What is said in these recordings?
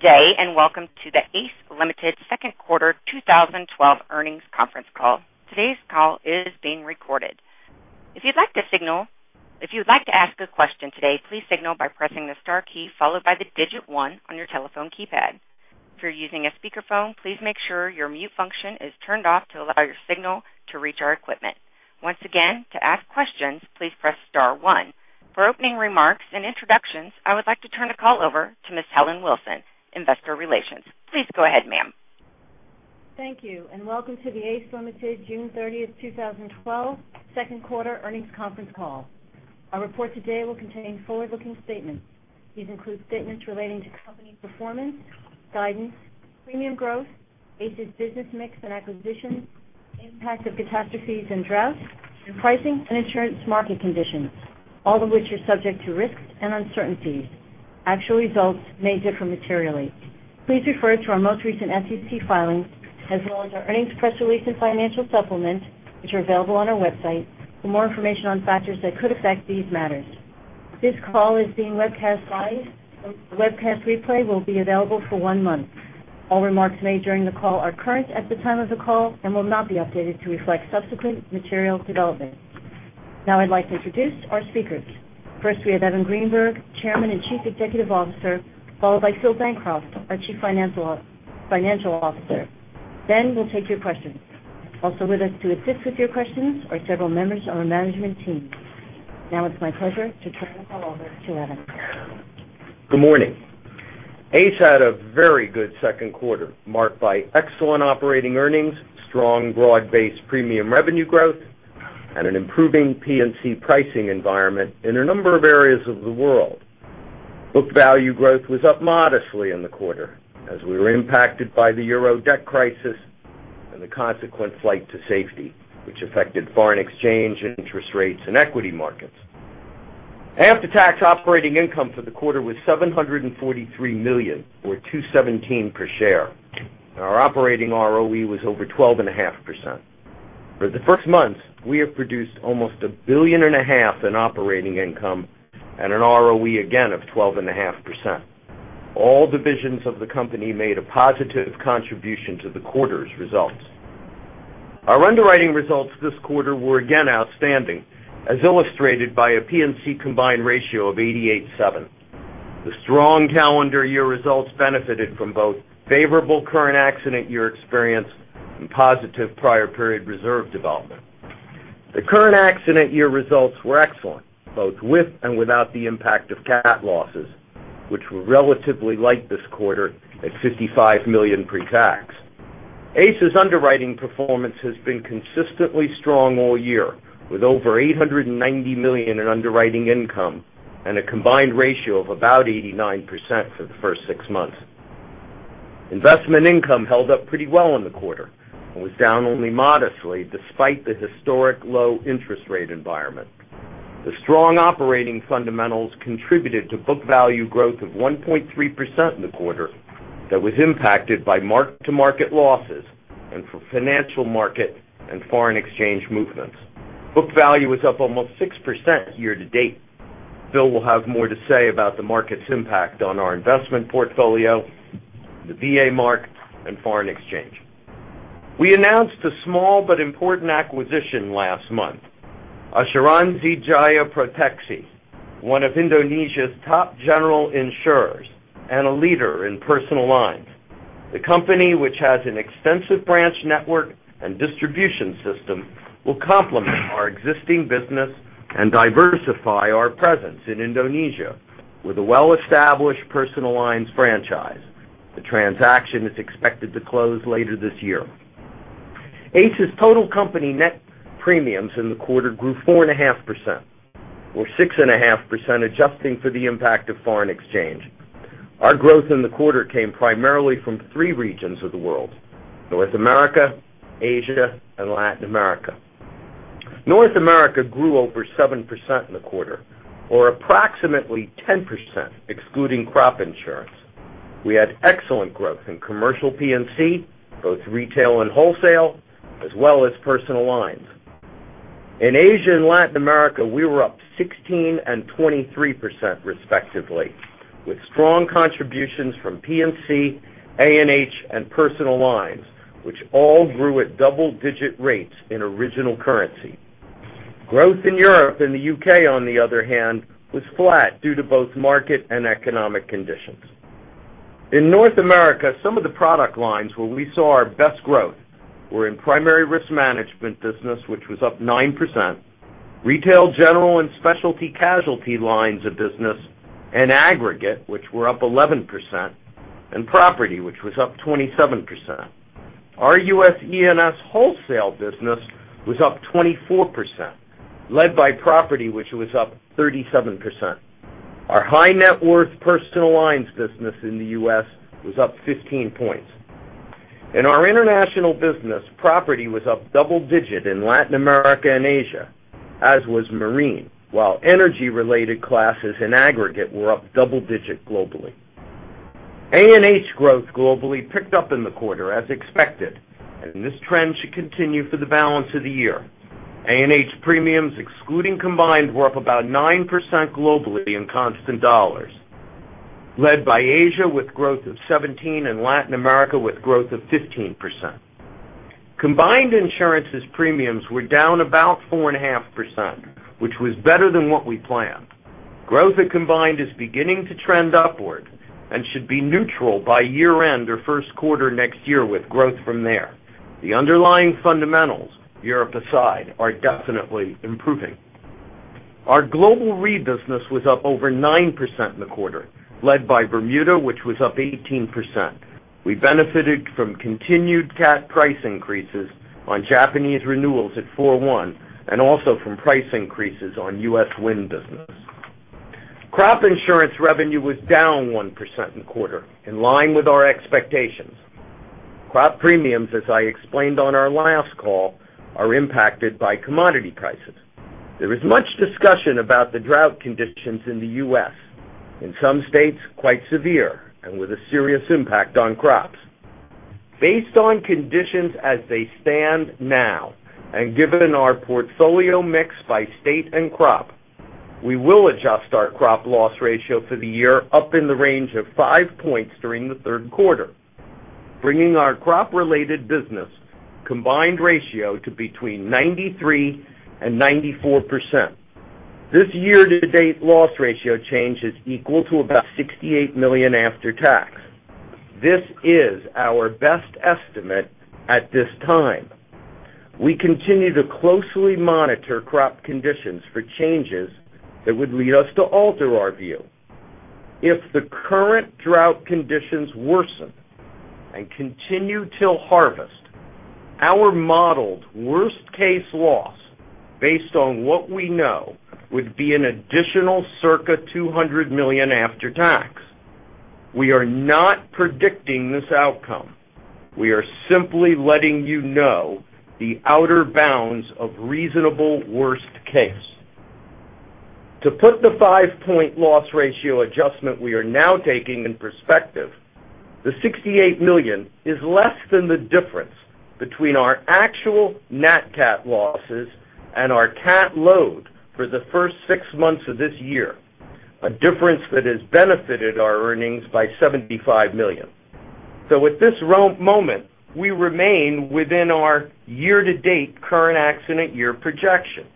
Good day, and welcome to the ACE Limited second quarter 2012 earnings conference call. Today's call is being recorded. If you'd like to ask a question today, please signal by pressing the star key followed by the digit 1 on your telephone keypad. If you're using a speakerphone, please make sure your mute function is turned off to allow your signal to reach our equipment. Once again, to ask questions, please press star one. For opening remarks and introductions, I would like to turn the call over to Ms. Helen Wilson, Investor Relations. Please go ahead, ma'am. Thank you, and welcome to the ACE Limited June 30th, 2012 second quarter earnings conference call. Our report today will contain forward-looking statements. These include statements relating to company performance, guidance, premium growth, ACE's business mix and acquisitions, impact of catastrophes and droughts, and pricing and insurance market conditions, all of which are subject to risks and uncertainties. Actual results may differ materially. Please refer to our most recent SEC filings as well as our earnings press release and financial supplement, which are available on our website for more information on factors that could affect these matters. This call is being webcast live. A webcast replay will be available for one month. All remarks made during the call are current at the time of the call and will not be updated to reflect subsequent material developments. I'd like to introduce our speakers. First, we have Evan Greenberg, Chairman and Chief Executive Officer, followed by Phil Bancroft, our Chief Financial Officer. We'll take your questions. Also with us to assist with your questions are several members of our management team. It's my pleasure to turn the call over to Evan. Good morning. ACE had a very good second quarter, marked by excellent operating earnings, strong broad-based premium revenue growth, and an improving P&C pricing environment in a number of areas of the world. Book value growth was up modestly in the quarter as we were impacted by the Euro debt crisis and the consequent flight to safety, which affected foreign exchange, interest rates, and equity markets. After-tax operating income for the quarter was $743 million, or $2.17 per share. Our operating ROE was over 12.5%. For the first months, we have produced almost a billion and a half in operating income and an ROE, again, of 12.5%. All divisions of the company made a positive contribution to the quarter's results. Our underwriting results this quarter were again outstanding, as illustrated by a P&C combined ratio of 88.7%. The strong calendar year results benefited from both favorable current accident year experience and positive prior period reserve development. The current accident year results were excellent, both with and without the impact of cat losses, which were relatively light this quarter at $55 million pre-tax. ACE's underwriting performance has been consistently strong all year, with over $890 million in underwriting income and a combined ratio of about 89% for the first six months. Investment income held up pretty well in the quarter and was down only modestly despite the historic low interest rate environment. The strong operating fundamentals contributed to book value growth of 1.3% in the quarter that was impacted by mark-to-market losses and for financial market and foreign exchange movements. Book value was up almost 6% year to date. Phil will have more to say about the market's impact on our investment portfolio, the VA mark, and foreign exchange. We announced a small but important acquisition last month. Asuransi Jaya Proteksi, one of Indonesia's top general insurers and a leader in personal lines. The company, which has an extensive branch network and distribution system, will complement our existing business and diversify our presence in Indonesia with a well-established personal lines franchise. The transaction is expected to close later this year. ACE's total company net premiums in the quarter grew 4.5%, or 6.5% adjusting for the impact of foreign exchange. Our growth in the quarter came primarily from three regions of the world, North America, Asia, and Latin America. North America grew over 7% in the quarter, or approximately 10% excluding crop insurance. We had excellent growth in commercial P&C, both retail and wholesale, as well as personal lines. In Asia and Latin America, we were up 16% and 23% respectively, with strong contributions from P&C, A&H, and personal lines, which all grew at double-digit rates in original currency. Growth in Europe and the U.K., on the other hand, was flat due to both market and economic conditions. In North America, some of the product lines where we saw our best growth were in primary risk management business, which was up 9%, retail, general and specialty casualty lines of business and aggregate, which were up 11%, and property, which was up 27%. Our U.S. E&S wholesale business was up 24%, led by property, which was up 37%. Our high net worth personal lines business in the U.S. was up 15 points. In our international business, property was up double digit in Latin America and Asia, as was marine, while energy-related classes in aggregate were up double digit globally. A&H growth globally picked up in the quarter as expected, and this trend should continue for the balance of the year. A&H premiums, excluding Combined, were up about 9% globally in constant dollars, led by Asia, with growth of 17%, and Latin America, with growth of 15%. Combined Insurance's premiums were down about 4.5%, which was better than what we planned. Growth at Combined is beginning to trend upward and should be neutral by year-end or first quarter next year with growth from there. The underlying fundamentals, Europe aside, are definitely improving. Our global Re business was up over 9% in the quarter, led by Bermuda, which was up 18%. We benefited from continued cat price increases on Japanese renewals at 4/1, and also from price increases on U.S. wind business. Crop insurance revenue was down 1% in the quarter, in line with our expectations. Crop premiums, as I explained on our last call, are impacted by commodity prices. There is much discussion about the drought conditions in the U.S. In some states, quite severe and with a serious impact on crops. Based on conditions as they stand now, and given our portfolio mix by state and crop, we will adjust our crop loss ratio for the year up in the range of five points during the third quarter, bringing our crop-related business combined ratio to between 93% and 94%. This year-to-date loss ratio change is equal to about $68 million after tax. This is our best estimate at this time. We continue to closely monitor crop conditions for changes that would lead us to alter our view. If the current drought conditions worsen and continue till harvest, our modeled worst-case loss, based on what we know, would be an additional circa $200 million after tax. We are not predicting this outcome. We are simply letting you know the outer bounds of reasonable worst case. To put the five-point loss ratio adjustment we are now taking in perspective, the $68 million is less than the difference between our actual nat cat losses and our cat load for the first six months of this year, a difference that has benefited our earnings by $75 million. At this moment, we remain within our year-to-date current accident year projection.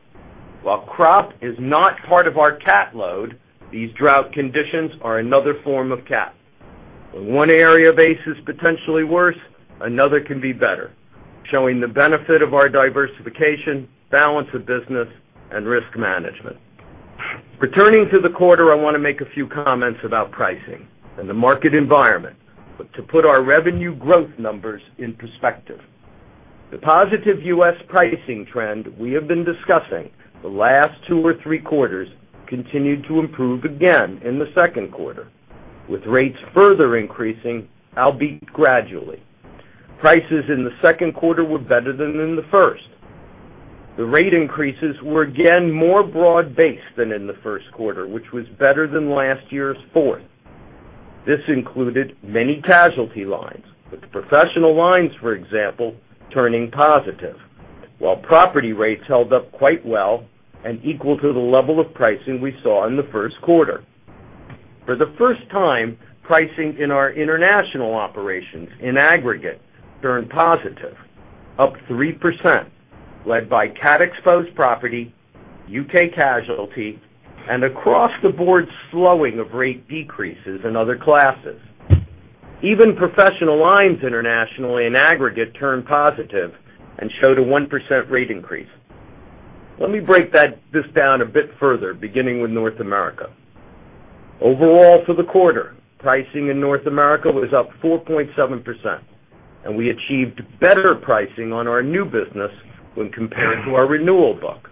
While crop is not part of our cat load, these drought conditions are another form of cat. When one area base is potentially worse, another can be better, showing the benefit of our diversification, balance of business, and risk management. Returning to the quarter, I want to make a few comments about pricing and the market environment to put our revenue growth numbers in perspective. The positive U.S. pricing trend we have been discussing the last two or three quarters continued to improve again in the second quarter, with rates further increasing, albeit gradually. Prices in the second quarter were better than in the first. The rate increases were again more broad-based than in the first quarter, which was better than last year's fourth. This included many casualty lines, with the professional lines, for example, turning positive, while property rates held up quite well and equal to the level of pricing we saw in the first quarter. For the first time, pricing in our international operations in aggregate turned positive, up 3%, led by cat-exposed property, U.K. casualty, and across-the-board slowing of rate decreases in other classes. Even professional lines internationally in aggregate turned positive and showed a 1% rate increase. Let me break this down a bit further, beginning with North America. Overall for the quarter, pricing in North America was up 4.7%, and we achieved better pricing on our new business when compared to our renewal book.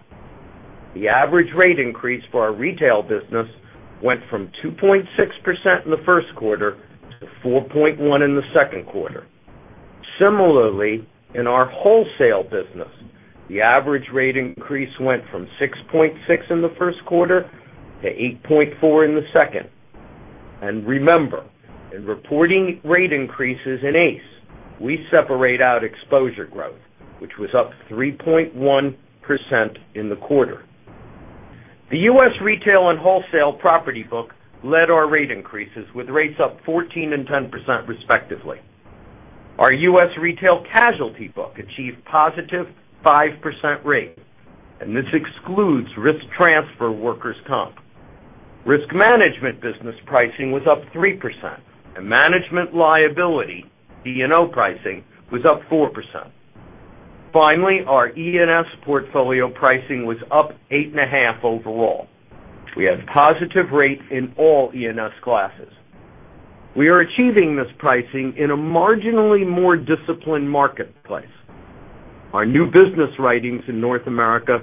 The average rate increase for our retail business went from 2.6% in the first quarter to 4.1% in the second quarter. Similarly, in our wholesale business, the average rate increase went from 6.6% in the first quarter to 8.4% in the second. Remember, in reporting rate increases in ACE, we separate out exposure growth, which was up 3.1% in the quarter. The U.S. retail and wholesale property book led our rate increases with rates up 14% and 10% respectively. Our U.S. retail casualty book achieved positive 5% rates, and this excludes risk transfer workers' comp. Risk management business pricing was up 3%, and management liability, E&O pricing, was up 4%. Finally, our E&S portfolio pricing was up 8.5% overall. We had positive rates in all E&S classes. We are achieving this pricing in a marginally more disciplined marketplace. Our new business writings in North America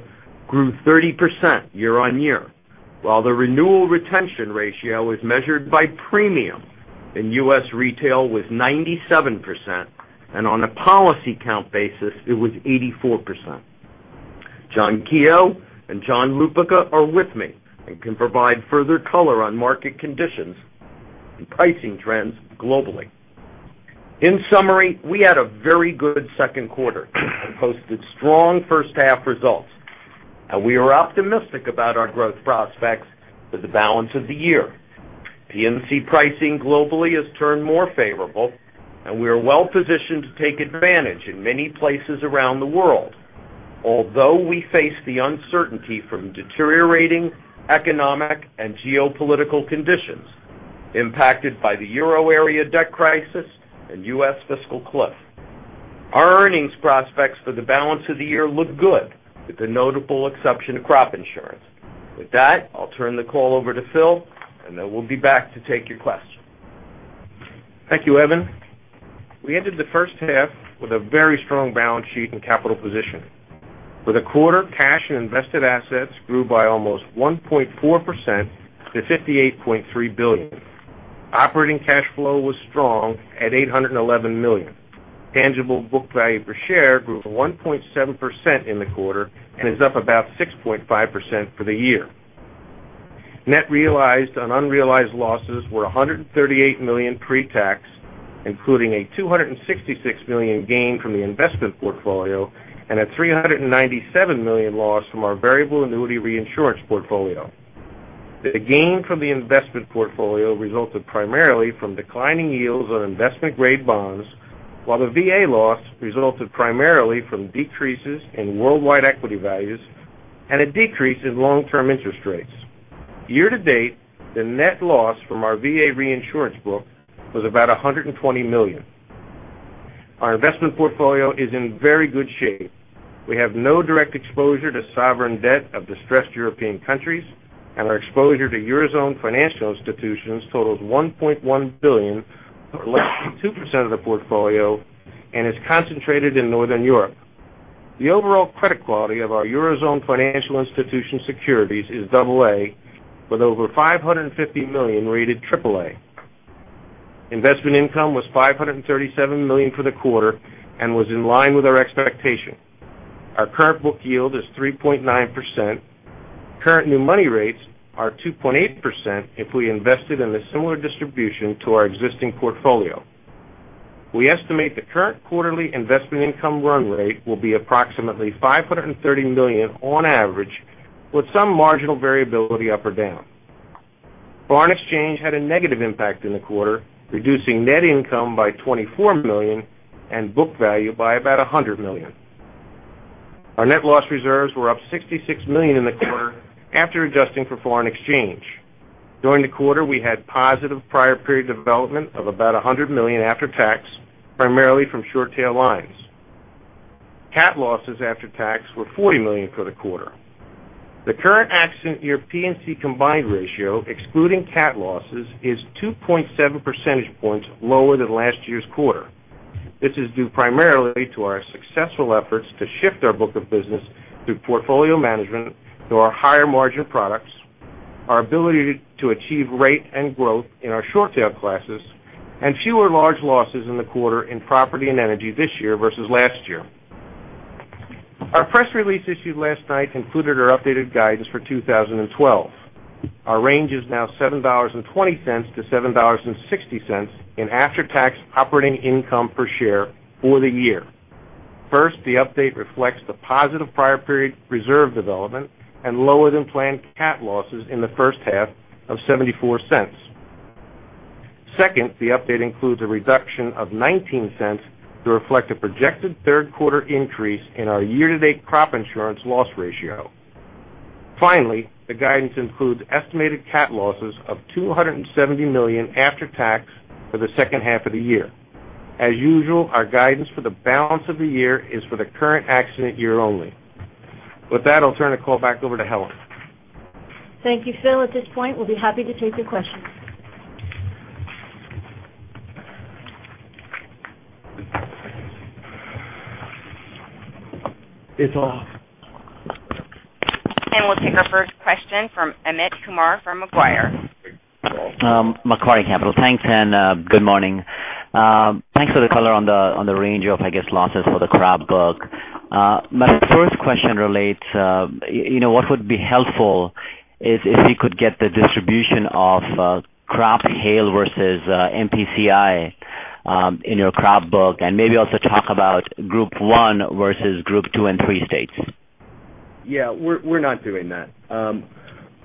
grew 30% year-over-year, while the renewal retention ratio was measured by premium in U.S. retail was 97%, and on a policy count basis, it was 84%. John Keogh and John Lupica are with me and can provide further color on market conditions and pricing trends globally. In summary, we had a very good second quarter and posted strong first half results. We are optimistic about our growth prospects for the balance of the year. P&C pricing globally has turned more favorable, and we are well-positioned to take advantage in many places around the world. Although we face the uncertainty from deteriorating economic and geopolitical conditions impacted by the Euro debt crisis and U.S. fiscal cliff, our earnings prospects for the balance of the year look good, with the notable exception of crop insurance. With that, I'll turn the call over to Phil, then we'll be back to take your questions. Thank you, Evan. We ended the first half with a very strong balance sheet and capital position. For the quarter, cash and invested assets grew by almost 1.4% to $58.3 billion. Operating cash flow was strong at $811 million. Tangible book value per share grew 1.7% in the quarter and is up about 6.5% for the year. Net realized on unrealized losses were $138 million pre-tax, including a $266 million gain from the investment portfolio and a $397 million loss from our variable annuity reinsurance portfolio. The gain from the investment portfolio resulted primarily from declining yields on investment-grade bonds, while the VA loss resulted primarily from decreases in worldwide equity values and a decrease in long-term interest rates. Year-to-date, the net loss from our VA reinsurance book was about $120 million. Our investment portfolio is in very good shape. We have no direct exposure to sovereign debt of distressed European countries. Our exposure to Eurozone financial institutions totals $1.1 billion, or less than 2% of the portfolio, and is concentrated in Northern Europe. The overall credit quality of our Eurozone financial institution securities is AA, with over $550 million rated AAA. Investment income was $537 million for the quarter and was in line with our expectation. Our current book yield is 3.9%. Current new money rates are 2.8% if we invest it in a similar distribution to our existing portfolio. We estimate the current quarterly investment income run rate will be approximately $530 million on average, with some marginal variability up or down. Foreign exchange had a negative impact in the quarter, reducing net income by $24 million and book value by about $100 million. Our net loss reserves were up $66 million in the quarter after adjusting for foreign exchange. During the quarter, we had positive prior period development of about $100 million after tax, primarily from short tail lines. Cat losses after tax were $40 million for the quarter. The current accident year P&C combined ratio, excluding cat losses, is 2.7 percentage points lower than last year's quarter. This is due primarily to our successful efforts to shift our book of business through portfolio management to our higher margin products, our ability to achieve rate and growth in our short tail classes, and fewer large losses in the quarter in property and energy this year versus last year. Our press release issued last night included our updated guidance for 2012. Our range is now $7.20 to $7.60 in after-tax operating income per share for the year. First, the update reflects the positive prior period reserve development and lower than planned cat losses in the first half of $0.74. Second, the update includes a reduction of $0.19 to reflect a projected third quarter increase in our year-to-date crop insurance loss ratio. Finally, the guidance includes estimated cat losses of $270 million after tax for the second half of the year. As usual, our guidance for the balance of the year is for the current accident year only. With that, I'll turn the call back over to Helen. Thank you, Phil. At this point, we'll be happy to take your questions. It's off. We'll take our first question from Amit Kumar from Macquarie. Macquarie Capital. Thanks, good morning. Thanks for the color on the range of, I guess, losses for the crop book. My first question relates, what would be helpful is if we could get the distribution of crop hail versus MPCI in your crop book, maybe also talk about group 1 versus group 2 and 3 states. Yeah, we're not doing that.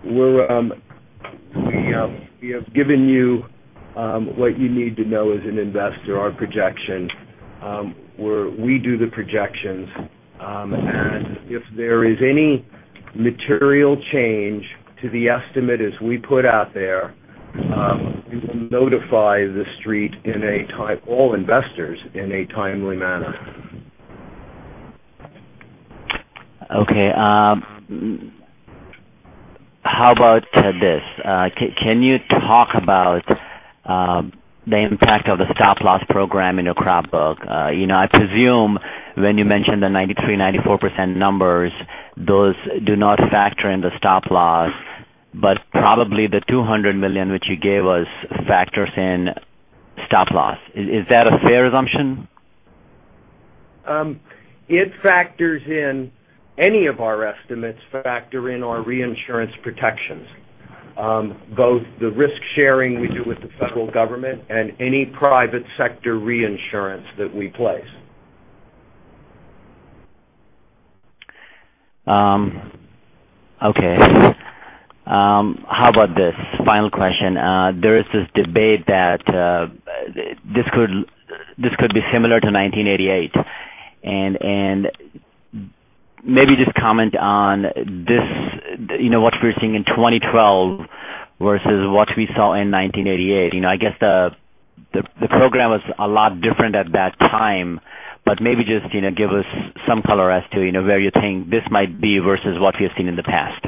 We have given you what you need to know as an investor, our projection, where we do the projections, and if there is any material change to the estimate as we put out there, we will notify the Street and all investors in a timely manner. Okay. How about this? Can you talk about the impact of the stop loss program in your crop book? I presume when you mentioned the 93%, 94% numbers, those do not factor in the stop loss, but probably the $200 million which you gave us factors in stop loss. Is that a fair assumption? It factors in any of our estimates, factor in our reinsurance protections, both the risk-sharing we do with the federal government and any private sector reinsurance that we place. Okay. How about this final question? There is this debate that this could be similar to 1988. Maybe just comment on what we're seeing in 2012 versus what we saw in 1988. I guess the program was a lot different at that time, but maybe just give us some color as to where you think this might be versus what we've seen in the past.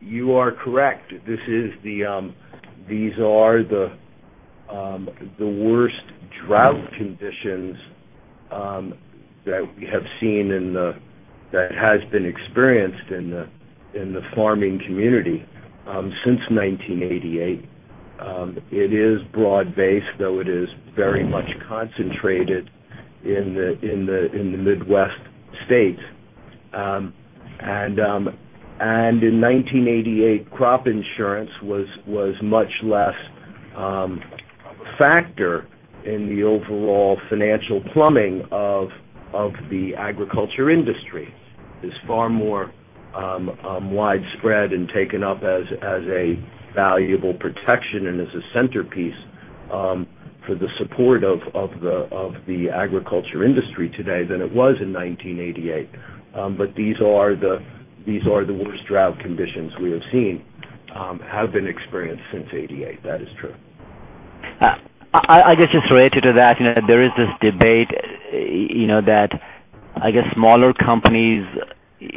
You are correct. These are the worst drought conditions that we have seen and that has been experienced in the farming community since 1988. It is broad-based, though it is very much concentrated in the Midwest states. In 1988, crop insurance was much less of a factor in the overall financial plumbing of the agriculture industry. It's far more widespread and taken up as a valuable protection and as a centerpiece for the support of the agriculture industry today than it was in 1988. These are the worst drought conditions we have seen since 1988. That is true. I guess just related to that, there is this debate that I guess smaller companies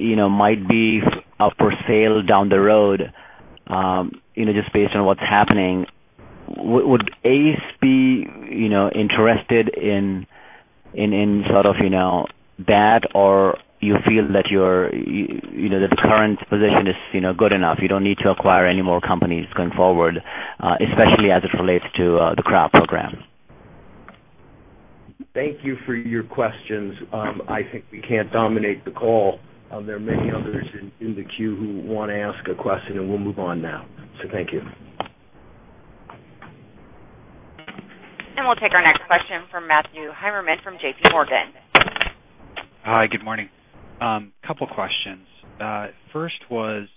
might be up for sale down the road, just based on what's happening. Would ACE be interested in sort of that, or you feel that the current position is good enough, you don't need to acquire any more companies going forward, especially as it relates to the crop program? Thank you for your questions. I think we can't dominate the call. There are many others in the queue who want to ask a question. We'll move on now. Thank you. We'll take our next question from Matthew Heimermann from JPMorgan. Hi. Good morning. Couple questions. First was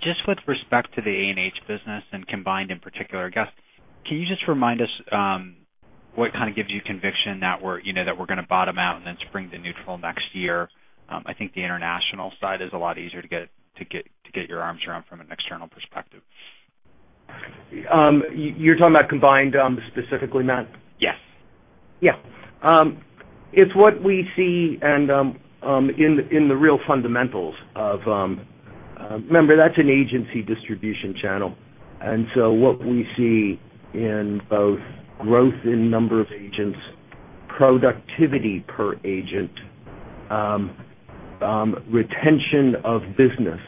just with respect to the A&H business and Combined in particular, I guess, can you just remind us what kind of gives you conviction that we're going to bottom out and then spring to neutral next year? I think the international side is a lot easier to get your arms around from an external perspective. You're talking about Combined specifically, Matt? Yes. Yeah. It's what we see in the real fundamentals. Remember, that's an agency distribution channel. What we see in both growth in number of agents, productivity per agent, retention of business,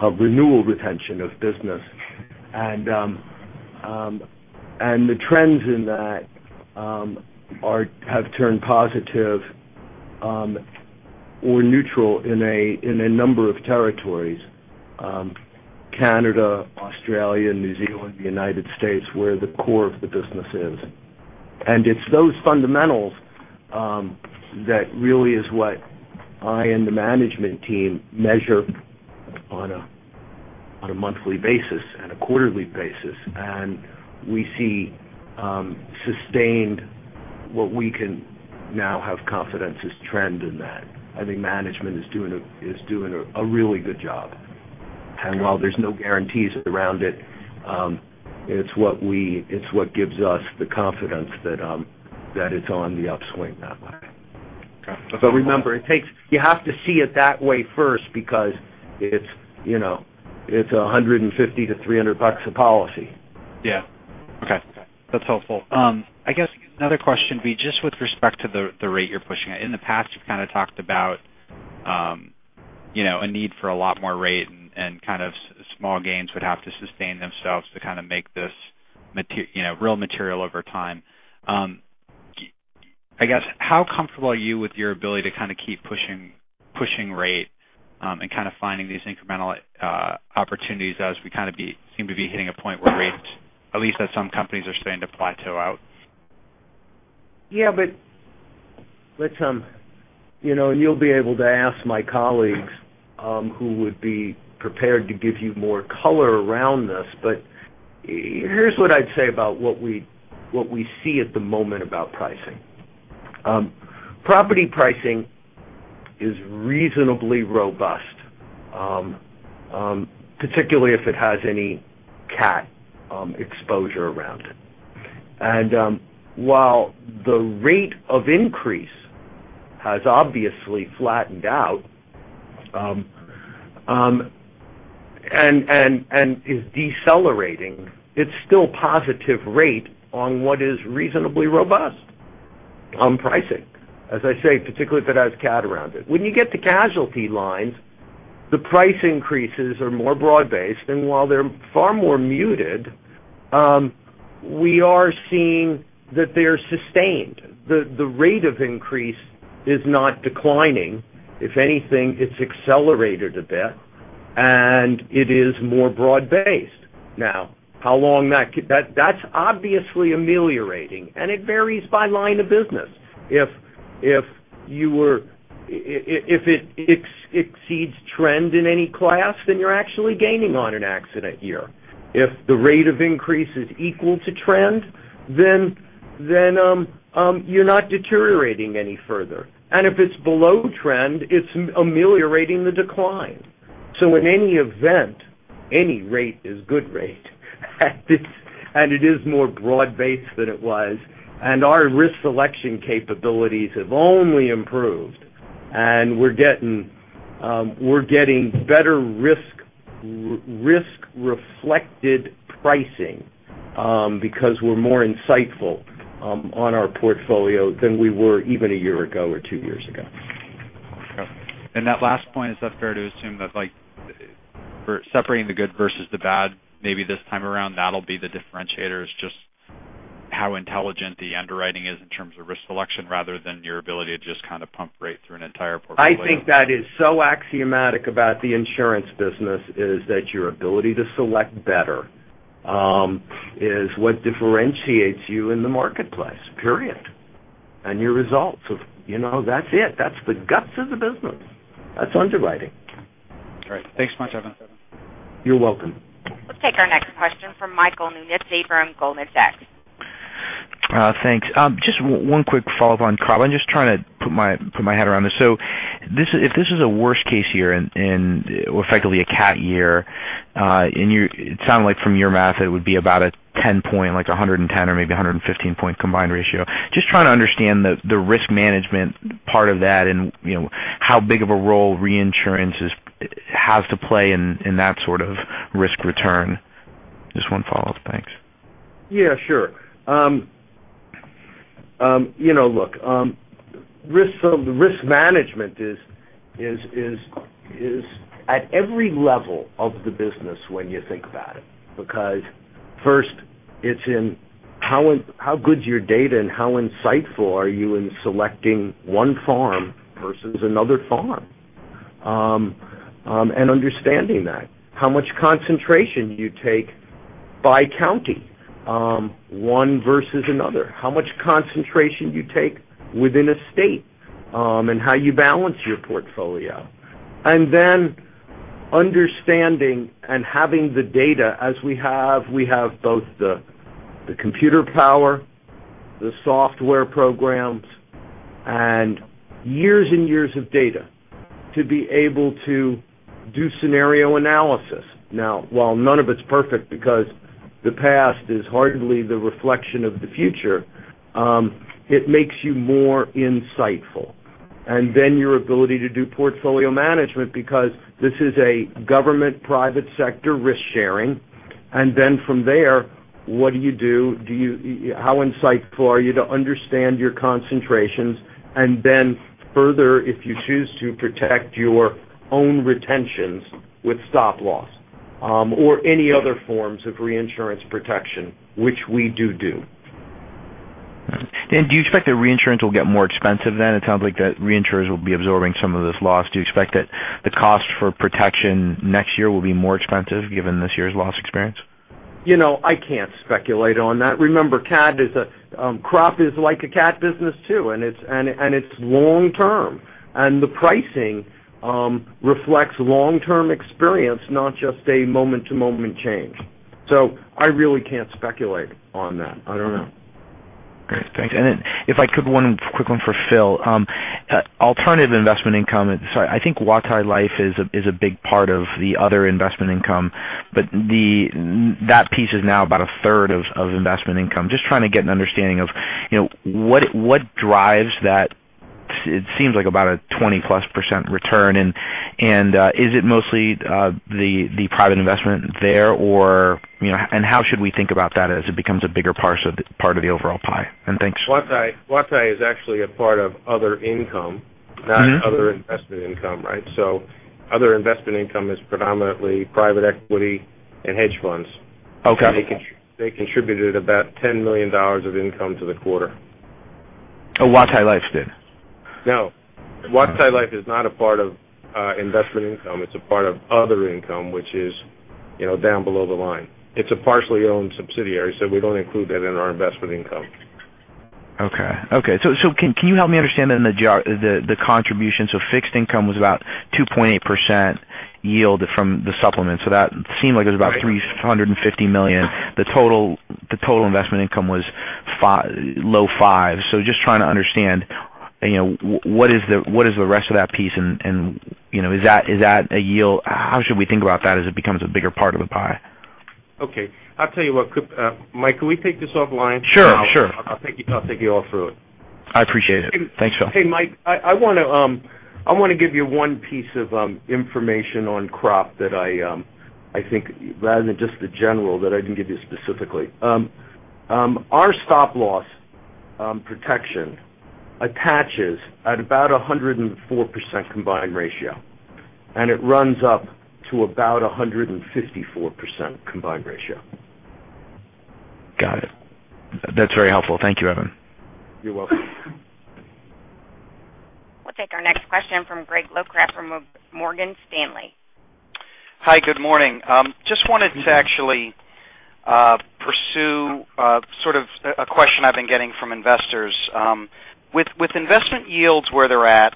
of renewal retention of business, and the trends in that have turned positive or neutral in a number of territories. Canada, Australia, New Zealand, U.S., where the core of the business is. It's those fundamentals that really is what I and the management team measure on a monthly basis and a quarterly basis. We see sustained what we can now have confidence is trend in that. I think management is doing a really good job. While there's no guarantees around it's what gives us the confidence that it's on the upswing that way. Okay. Remember, you have to see it that way first because it's $150-$300 a policy. Yeah. Okay. That's helpful. I guess another question would be just with respect to the rate you're pushing. In the past, you've kind of talked about a need for a lot more rate and kind of small gains would have to sustain themselves to kind of make this real material over time. I guess, how comfortable are you with your ability to kind of keep pushing rate and kind of finding these incremental opportunities as we kind of seem to be hitting a point where rates, at least at some companies, are starting to plateau out? Yeah. You'll be able to ask my colleagues who would be prepared to give you more color around this. Here's what I'd say about what we see at the moment about pricing. Property pricing is reasonably robust, particularly if it has any cat exposure around it. While the rate of increase has obviously flattened out, and is decelerating, it's still positive rate on what is reasonably robust on pricing. As I say, particularly if it has cat around it. When you get to casualty lines. The price increases are more broad-based, and while they're far more muted, we are seeing that they're sustained. The rate of increase is not declining. If anything, it's accelerated a bit, and it is more broad-based now. That's obviously ameliorating, and it varies by line of business. If it exceeds trend in any class, then you're actually gaining on an accident year. If the rate of increase is equal to trend, you're not deteriorating any further. If it's below trend, it's ameliorating the decline. In any event, any rate is good rate, and it is more broad-based than it was. Our risk selection capabilities have only improved, and we're getting better risk-reflected pricing because we're more insightful on our portfolio than we were even one year ago or two years ago. Okay. That last point, is that fair to assume that for separating the good versus the bad, maybe this time around, that'll be the differentiator, is just how intelligent the underwriting is in terms of risk selection rather than your ability to just kind of pump rate through an entire portfolio? I think that is so axiomatic about the insurance business, is that your ability to select better is what differentiates you in the marketplace, period. That's it. That's the guts of the business. That's underwriting. All right. Thanks much, Evan. You're welcome. Let's take our next question from Michael Nannizzi, Goldman Sachs. Thanks. Just one quick follow-up on crop. I'm just trying to put my head around this. If this is a worst case here or effectively a cat year, it sounded like from your math, it would be about a 10 point, like 110 or maybe 115 point combined ratio. Just trying to understand the risk management part of that and how big of a role reinsurance has to play in that sort of risk return. Just one follow-up. Thanks. Yeah, sure. Look, risk management is at every level of the business when you think about it. First it's in how good's your data and how insightful are you in selecting one farm versus another farm, and understanding that. How much concentration you take by county, one versus another. How much concentration you take within a state, and how you balance your portfolio. Then understanding and having the data as we have both the computer power, the software programs, and years and years of data to be able to do scenario analysis. While none of it's perfect because the past is hardly the reflection of the future, it makes you more insightful. Then your ability to do portfolio management because this is a government-private sector risk-sharing. Then from there, what do you do? How insightful are you to understand your concentrations? Further, if you choose to protect your own retentions with stop loss, or any other forms of reinsurance protection, which we do. Do you expect the reinsurance will get more expensive then? It sounds like the reinsurers will be absorbing some of this loss. Do you expect that the cost for protection next year will be more expensive given this year's loss experience? I can't speculate on that. Remember, crop is like a cat business too, and it's long term. The pricing reflects long-term experience, not just a moment-to-moment change. I really can't speculate on that. I don't know. Great. Thanks. If I could, one quick one for Phil. Alternative investment income, so I think Huatai Life is a big part of the other investment income, but that piece is now about a third of investment income. Just trying to get an understanding of what drives that, it seems like about a 20+% return. Is it mostly the private investment there, and how should we think about that as it becomes a bigger part of the overall pie? Thanks. Huatai is actually a part of other income. Not other investment income, right? Other investment income is predominantly private equity and hedge funds. Okay. They contributed about $10 million of income to the quarter. Oh, Huatai Life did? No. Huatai Life is not a part of investment income. It's a part of other income, which is down below the line. It's a partially owned subsidiary, so we don't include that in our investment income. Okay. Can you help me understand then the contributions of fixed income was about 2.8% yield from the supplement. That seemed like it was about $350 million. The total investment income was low five. Just trying to understand what is the rest of that piece and is that a yield? How should we think about that as it becomes a bigger part of the pie? Okay. I'll tell you what. Mike, can we take this offline? Sure. I'll take you off through it. I appreciate it. Thanks, Phil. Hey, Mike. I want to give you one piece of information on crop that I think rather than just the general that I didn't give you specifically. Our stop loss protection attaches at about 104% combined ratio, and it runs up to about 154% combined ratio. Got it. That's very helpful. Thank you, Evan. You're welcome. We'll take our next question from Greg Locraft from Morgan Stanley. Hi, good morning. Just wanted to actually pursue a question I've been getting from investors. With investment yields where they're at,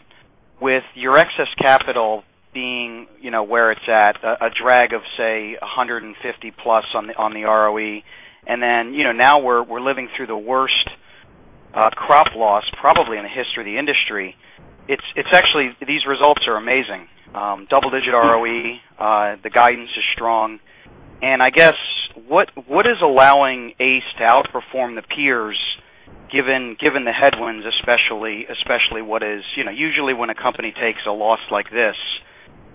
with your excess capital being where it's at, a drag of, say, 150+ on the ROE, then now we're living through the worst crop loss probably in the history of the industry. These results are amazing. Double-digit ROE. The guidance is strong. I guess what is allowing ACE to outperform the peers, given the headwinds, especially usually when a company takes a loss like this,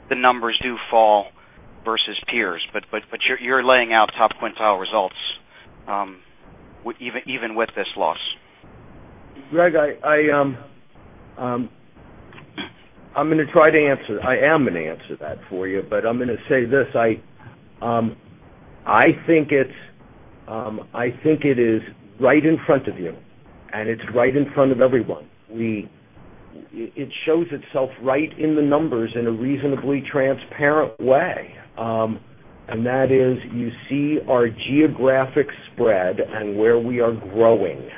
the numbers do fall versus peers. You're laying out top quintile results even with this loss. Greg, I'm going to try to answer. I am going to answer that for you, I'm going to say this. I think it is right in front of you, and it's right in front of everyone. It shows itself right in the numbers in a reasonably transparent way. That is, you see our geographic spread and where we are growing.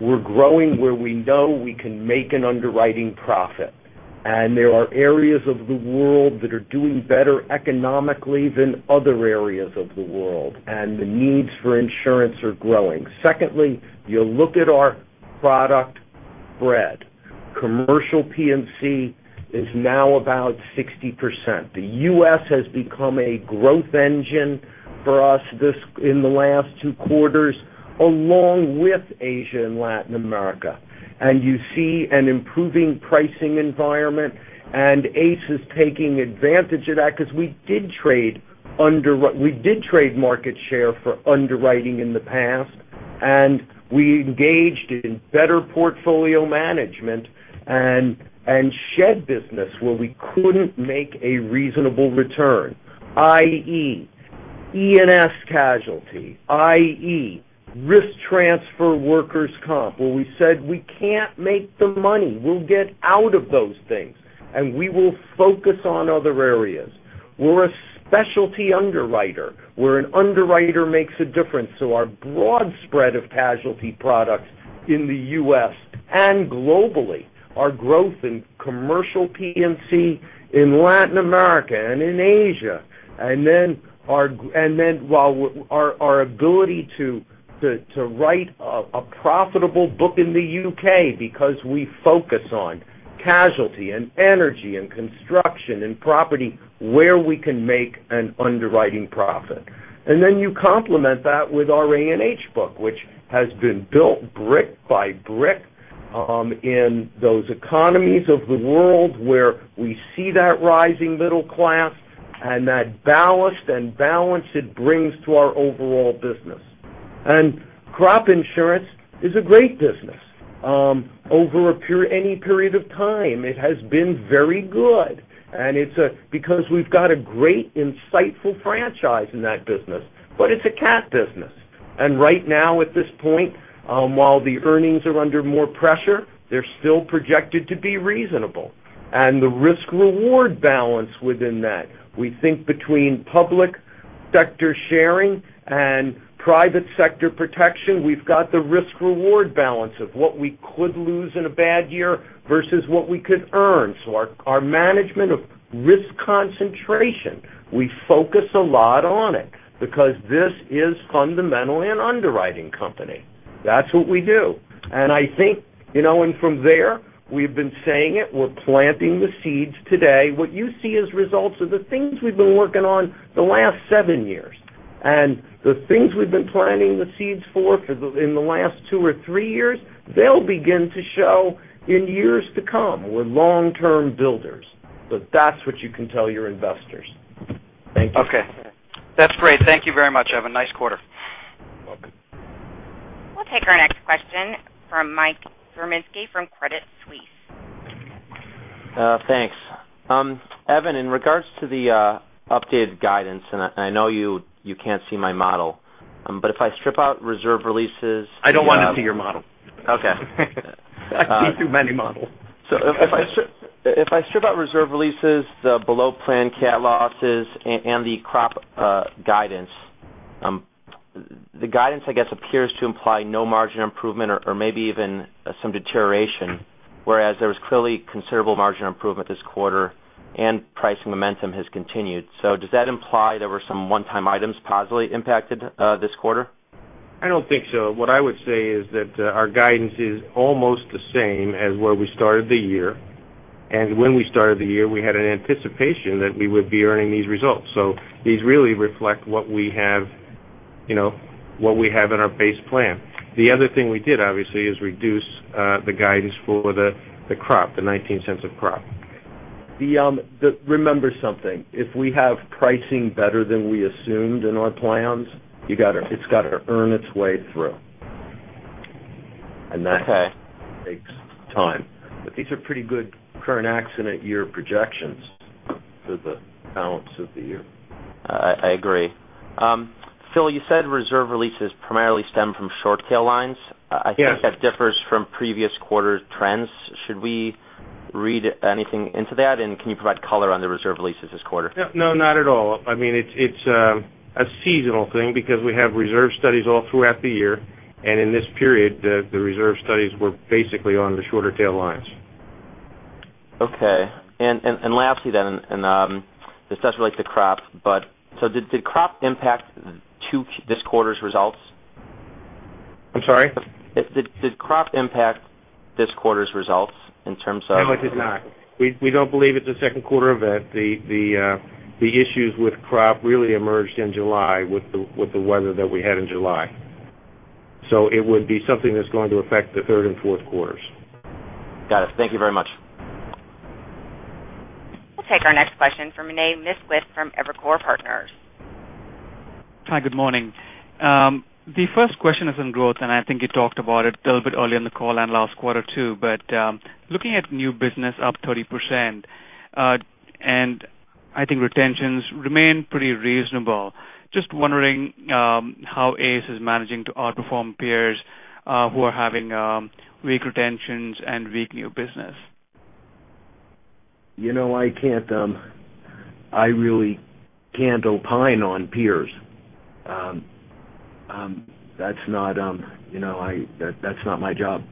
We're growing where we know we can make an underwriting profit. There are areas of the world that are doing better economically than other areas of the world, and the needs for insurance are growing. Secondly, you look at our product breadth. Commercial P&C is now about 60%. The U.S. has become a growth engine for us in the last two quarters, along with Asia and Latin America. You see an improving pricing environment, ACE is taking advantage of that because we did trade market share for underwriting in the past, we engaged in better portfolio management and shed business where we couldn't make a reasonable return, i.e., E&S casualty, i.e., risk transfer workers' comp, where we said, "We can't make the money. We'll get out of those things, we will focus on other areas." We're a specialty underwriter, where an underwriter makes a difference. Our broad spread of casualty products in the U.S. and globally, our growth in commercial P&C in Latin America and in Asia, our ability to write a profitable book in the U.K. because we focus on casualty and energy and construction and property where we can make an underwriting profit. You complement that with our A&H book, which has been built brick by brick in those economies of the world where we see that rising middle class and that ballast and balance it brings to our overall business. Crop insurance is a great business. Over any period of time, it has been very good, and it's because we've got a great, insightful franchise in that business, but it's a cat business. Right now, at this point, while the earnings are under more pressure, they're still projected to be reasonable. The risk/reward balance within that, we think between public sector sharing and private sector protection, we've got the risk/reward balance of what we could lose in a bad year versus what we could earn. Our management of risk concentration, we focus a lot on it because this is fundamentally an underwriting company. That's what we do. From there, we've been saying it, we're planting the seeds today. What you see as results are the things we've been working on the last seven years. The things we've been planting the seeds for in the last two or three years, they'll begin to show in years to come. We're long-term builders. That's what you can tell your investors. Thank you. Okay. That's great. Thank you very much, Evan. Nice quarter. You're welcome. We'll take our next question from Michael Zaremski from Credit Suisse. Thanks. Evan, in regards to the updated guidance. I know you can't see my model, but if I strip out reserve releases- I don't want to see your model. Okay. I've seen too many models. If I strip out reserve releases, the below-plan cat losses and the crop guidance, the guidance, I guess, appears to imply no margin improvement or maybe even some deterioration, whereas there was clearly considerable margin improvement this quarter and pricing momentum has continued. Does that imply there were some one-time items positively impacted this quarter? I don't think so. What I would say is that our guidance is almost the same as where we started the year. When we started the year, we had an anticipation that we would be earning these results. These really reflect what we have in our base plan. The other thing we did, obviously, is reduce the guidance for the crop, the $0.19 of crop. Remember something, if we have pricing better than we assumed in our plans, it's got to earn its way through. Okay. That takes time. These are pretty good current accident year projections for the balance of the year. I agree. Phil, you said reserve releases primarily stem from short tail lines. Yes. I think that differs from previous quarter trends. Should we read anything into that? Can you provide color on the reserve releases this quarter? No, not at all. It's a seasonal thing because we have reserve studies all throughout the year. In this period, the reserve studies were basically on the shorter tail lines. Okay. Lastly, this does relate to crop. Did crop impact this quarter's results? I'm sorry? Did crop impact this quarter's results in terms of? No, it did not. We don't believe it's a second quarter event. The issues with crop really emerged in July with the weather that we had in July. It would be something that's going to affect the third and fourth quarters. Got it. Thank you very much. We'll take our next question from Vinay Misquith from Evercore Partners. Hi, good morning. The first question is on growth, and I think you talked about it a little bit earlier in the call and last quarter, too. Looking at new business up 30%, and I think retentions remain pretty reasonable. Just wondering how ACE is managing to outperform peers who are having weak retentions and weak new business. I really can't opine on peers. That's not my job.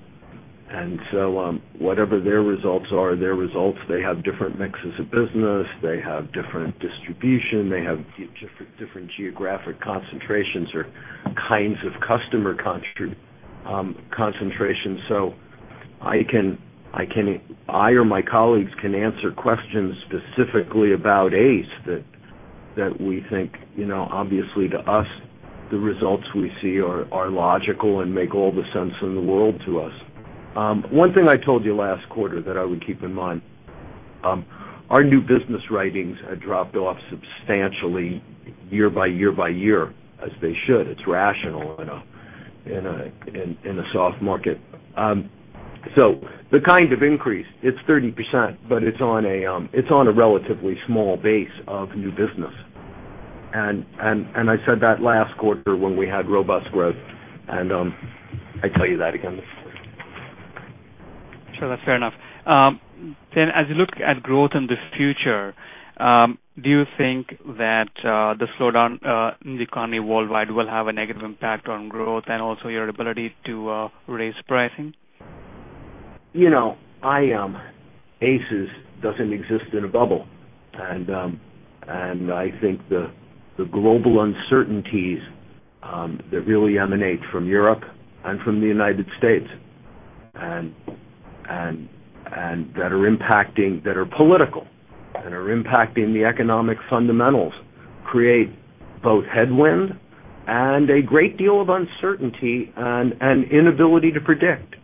Whatever their results are, their results, they have different mixes of business. They have different distribution. They have different geographic concentrations or kinds of customer concentration. I or my colleagues can answer questions specifically about ACE that we think, obviously to us, the results we see are logical and make all the sense in the world to us. One thing I told you last quarter that I would keep in mind, our new business writings had dropped off substantially year by year by year, as they should. It's rational in a soft market. The kind of increase, it's 30%, but it's on a relatively small base of new business. I said that last quarter when we had robust growth, and I tell you that again this quarter. Sure, that's fair enough. As you look at growth in the future, do you think that the slowdown in the economy worldwide will have a negative impact on growth and also your ability to raise pricing? ACE doesn't exist in a bubble, and I think the global uncertainties that really emanate from Europe and from the United States, and that are political, that are impacting the economic fundamentals, create both headwind and a great deal of uncertainty and inability to predict.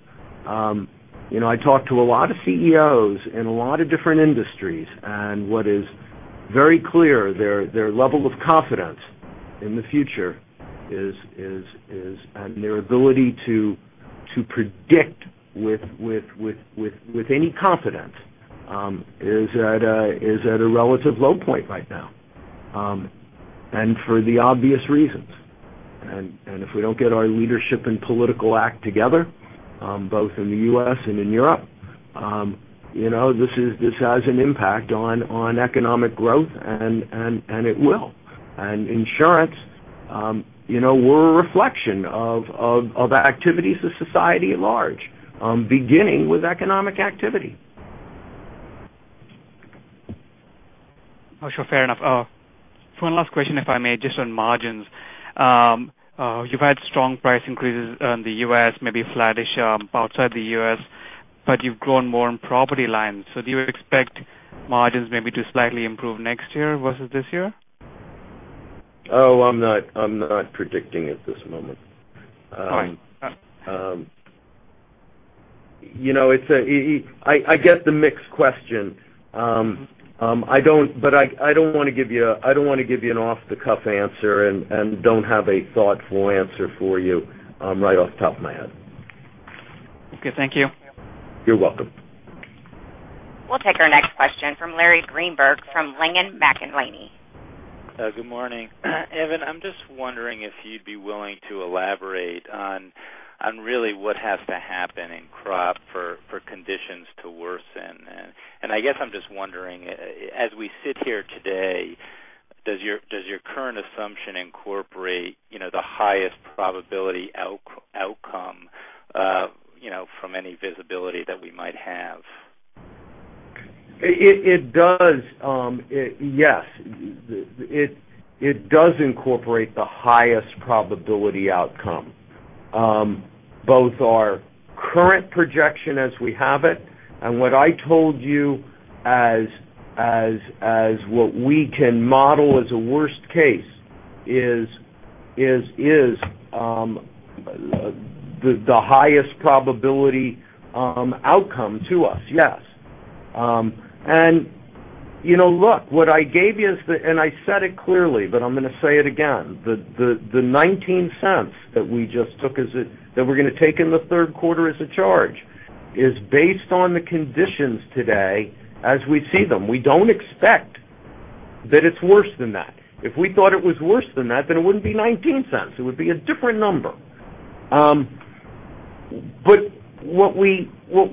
I talk to a lot of CEOs in a lot of different industries, and what is very clear, their level of confidence in the future is, and their ability to predict with any confidence, is at a relative low point right now, and for the obvious reasons. If we don't get our leadership and political act together, both in the U.S. and in Europe, this has an impact on economic growth, and it will. Insurance, we're a reflection of activities of society at large, beginning with economic activity. Oh, sure. Fair enough. One last question, if I may, just on margins. You've had strong price increases in the U.S., maybe flattish outside the U.S., but you've grown more on property lines. Do you expect margins maybe to slightly improve next year versus this year? Oh, I'm not predicting at this moment. All right. I get the mixed question. I don't want to give you an off-the-cuff answer and don't have a thoughtful answer for you right off the top of my head. Okay, thank you. You're welcome. We'll take our next question from Larry Greenberg from Langen McAlenney. Good morning. Evan, I'm just wondering if you'd be willing to elaborate on really what has to happen in crop for conditions to worsen. I guess I'm just wondering, as we sit here today, does your current assumption incorporate the highest probability outcome from any visibility that we might have? It does. Yes. It does incorporate the highest probability outcome. Both our current projection as we have it and what I told you as what we can model as a worst case is the highest probability outcome to us. Yes. Look, what I gave you is the, and I said it clearly, but I'm going to say it again, the $0.19 that we just took, that we're going to take in the third quarter as a charge, is based on the conditions today as we see them. We don't expect that it's worse than that. If we thought it was worse than that, then it wouldn't be $0.19. It would be a different number. What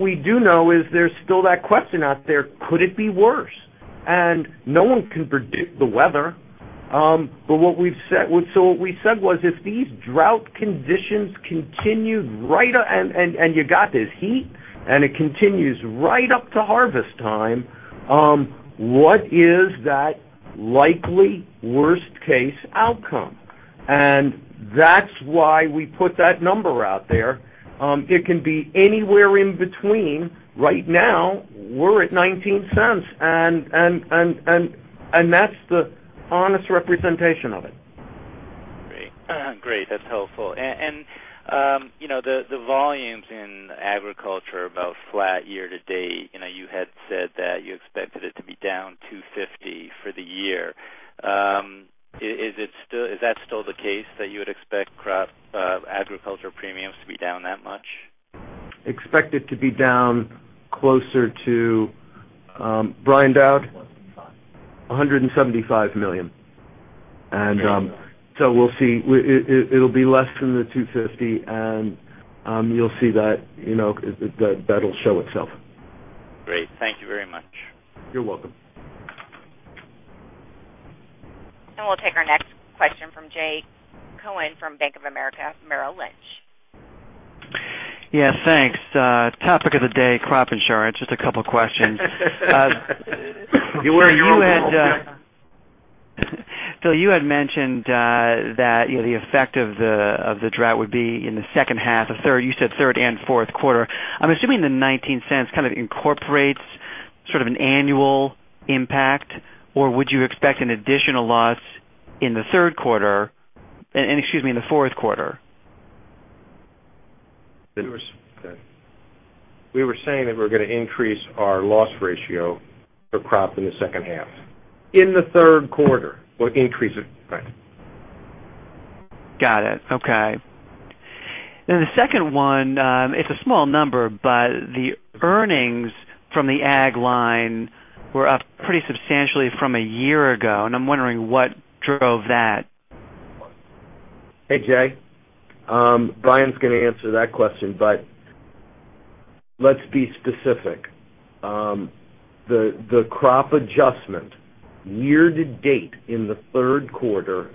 we do know is there's still that question out there. Could it be worse? No one can predict the weather. What we said was, if these drought conditions continued, and you got this heat, and it continues right up to harvest time, what is that likely worst case outcome? That's why we put that number out there. It can be anywhere in between. Right now, we're at $0.19, and that's the honest representation of it. Great. Great. That's helpful. The volumes in agriculture about flat year-to-date. You had said that you expected it to be down $250 for the year. Is that still the case that you would expect crop agriculture premiums to be down that much? Expect it to be down closer to Brian Dowd? 175. $175 million. We'll see. It'll be less than the $250, and you'll see that. That'll show itself. Great. Thank you very much. You're welcome. We'll take our next question from Jay Cohen from Bank of America Merrill Lynch. Yes, thanks. Topic of the day, crop insurance. Just a couple questions. [You wear your own rules]. Phil, you had mentioned that the effect of the drought would be in the second half of third. You said third and fourth quarter. I'm assuming the $0.19 kind of incorporates sort of an annual impact. Would you expect an additional loss in the third quarter and, excuse me, in the fourth quarter? We were saying that we're going to increase our loss ratio for crop in the second half. In the third quarter. We'll increase it. Right. Got it. Okay. The second one, it's a small number, the earnings from the ag line were up pretty substantially from a year ago, and I'm wondering what drove that. Hey, Jay. Brian's going to answer that question. Let's be specific. The crop adjustment year to date in the third quarter,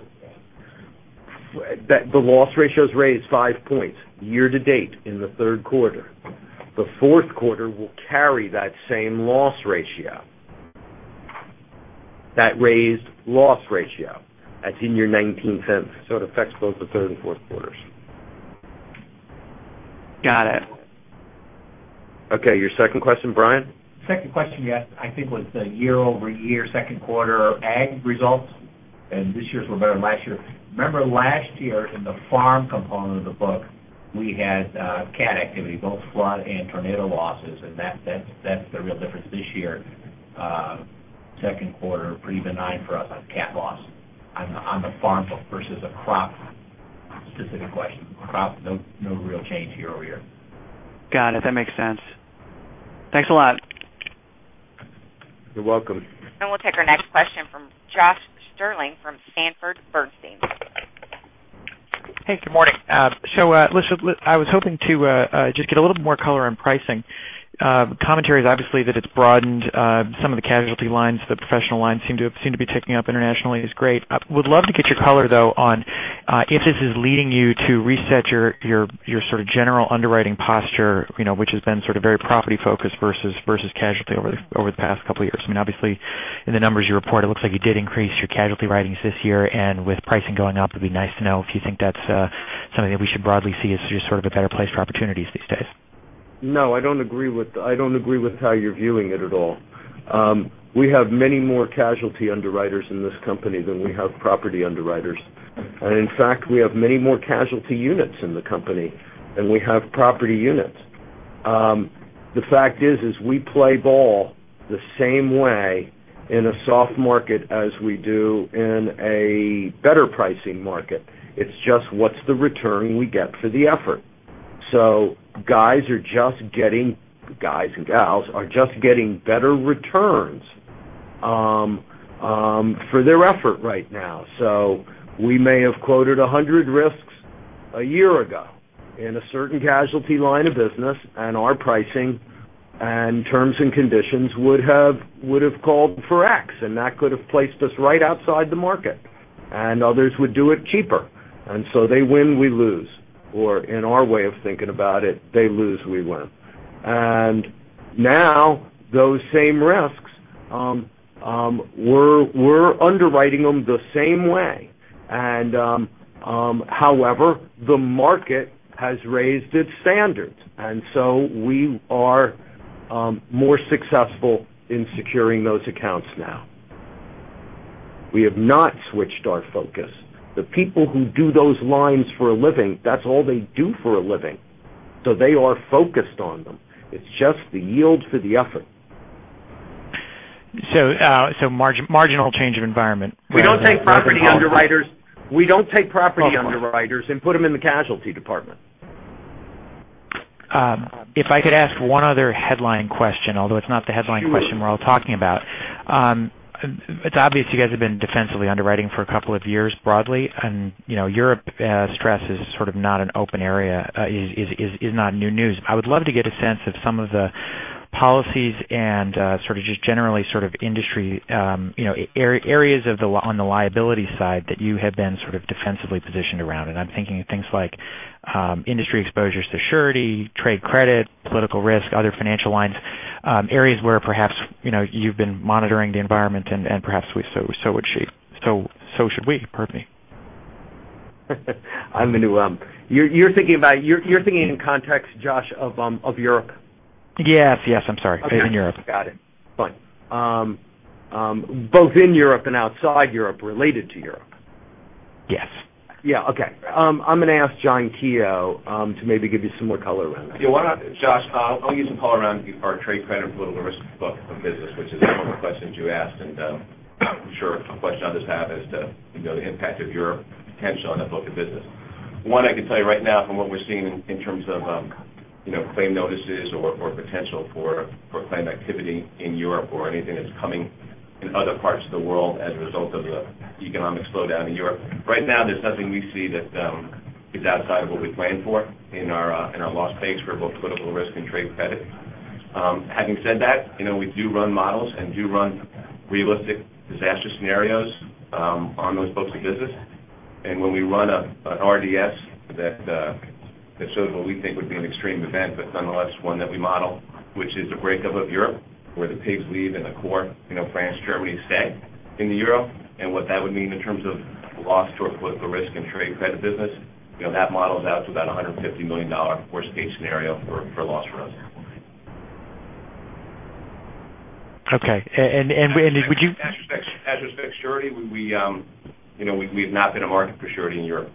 the loss ratio is raised five points year to date in the third quarter. The fourth quarter will carry that same loss ratio. That raised loss ratio, that's in your $0.19. It affects both the third and fourth quarters. Got it. Okay, your second question, Brian? Second question, yes, I think was the year-over-year second quarter ag results, and this year's were better than last year. Remember last year in the farm component of the book, we had cat activity, both flood and tornado losses, and that's the real difference this year. Second quarter, pretty benign for us on cat loss on the farm book versus a crop specific question. Crop, no real change year-over-year. Got it. That makes sense. Thanks a lot. You're welcome. We'll take our next question from Josh Sterling from Sanford Bernstein. Hey, good morning. Listen, I was hoping to just get a little bit more color on pricing. Commentary is obviously that it's broadened some of the casualty lines. The professional lines seem to be ticking up internationally is great. Would love to get your color, though, on if this is leading you to reset your sort of general underwriting posture, which has been sort of very property focused versus casualty over the past couple of years. Obviously, in the numbers you report, it looks like you did increase your casualty writings this year, and with pricing going up, it'd be nice to know if you think that's something that we should broadly see as just sort of a better place for opportunities these days. No, I don't agree with how you're viewing it at all. We have many more casualty underwriters in this company than we have property underwriters. In fact, we have many more casualty units in the company than we have property units. The fact is we play ball the same way in a soft market as we do in a better pricing market. It's just what's the return we get for the effort. Guys and gals are just getting better returns for their effort right now. We may have quoted 100 risks a year ago in a certain casualty line of business, and our pricing and terms and conditions would have called for X, and that could have placed us right outside the market, and others would do it cheaper. They win, we lose, or in our way of thinking about it, they lose, we win. Now those same risks, we're underwriting them the same way. However, the market has raised its standards, we are more successful in securing those accounts now. We have not switched our focus. The people who do those lines for a living, that's all they do for a living. They are focused on them. It's just the yield for the effort. Marginal change of environment. We don't take property underwriters and put them in the casualty department. If I could ask one other headline question, although it's not the headline question we're all talking about. It's obvious you guys have been defensively underwriting for a couple of years, broadly. Europe stress is sort of not an open area, is not new news. I would love to get a sense of some of the policies and sort of just generally industry areas on the liability side that you have been sort of defensively positioned around. I'm thinking of things like industry exposures to surety, trade credit, political risk, other financial lines. Areas where perhaps, you've been monitoring the environment and perhaps so should we. Pardon me. You're thinking in context, Josh, of Europe? Yes. I'm sorry. In Europe. Got it. Fine. Both in Europe outside Europe related to Europe. Yes. Yeah. Okay. I'm going to ask John Keogh to maybe give you some more color around that. Yeah. Why not, Josh? I'll use the color around our trade credit political risk book of business, which is one of the questions you asked, and I'm sure a question others have as to the impact of Europe potentially on that book of business. One, I can tell you right now from what we're seeing in terms of claim notices or potential for claimed activity in Europe or anything that's coming in other parts of the world as a result of the economic slowdown in Europe. Right now, there's nothing we see that is outside of what we planned for in our loss pace for both political risk and trade credit. Having said that, we do run models and do run realistic disaster scenarios on those books of business. When we run an RDS that shows what we think would be an extreme event, but nonetheless one that we model, which is a breakup of Europe where the PIIGS leave and the core, France, Germany, stay in the euro, and what that would mean in terms of loss to our political risk and trade credit business. That models out to about $150 million worst-case scenario for loss for us. Okay. Would you? As respects surety, we have not been a market for surety in Europe.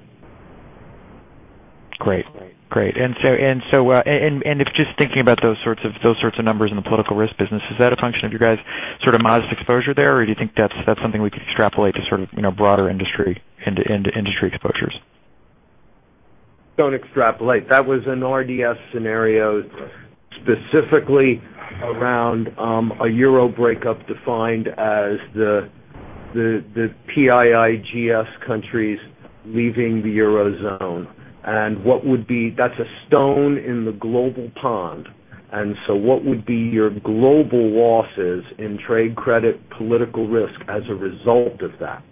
If just thinking about those sorts of numbers in the political risk business, is that a function of you guys sort of modest exposure there, or do you think that's something we could extrapolate to sort of broader industry into industry exposures? Don't extrapolate. That was an RDS scenario specifically around a euro breakup defined as the PIIGS countries leaving the Eurozone. That's a stone in the global pond. What would be your global losses in trade credit political risk as a result of that?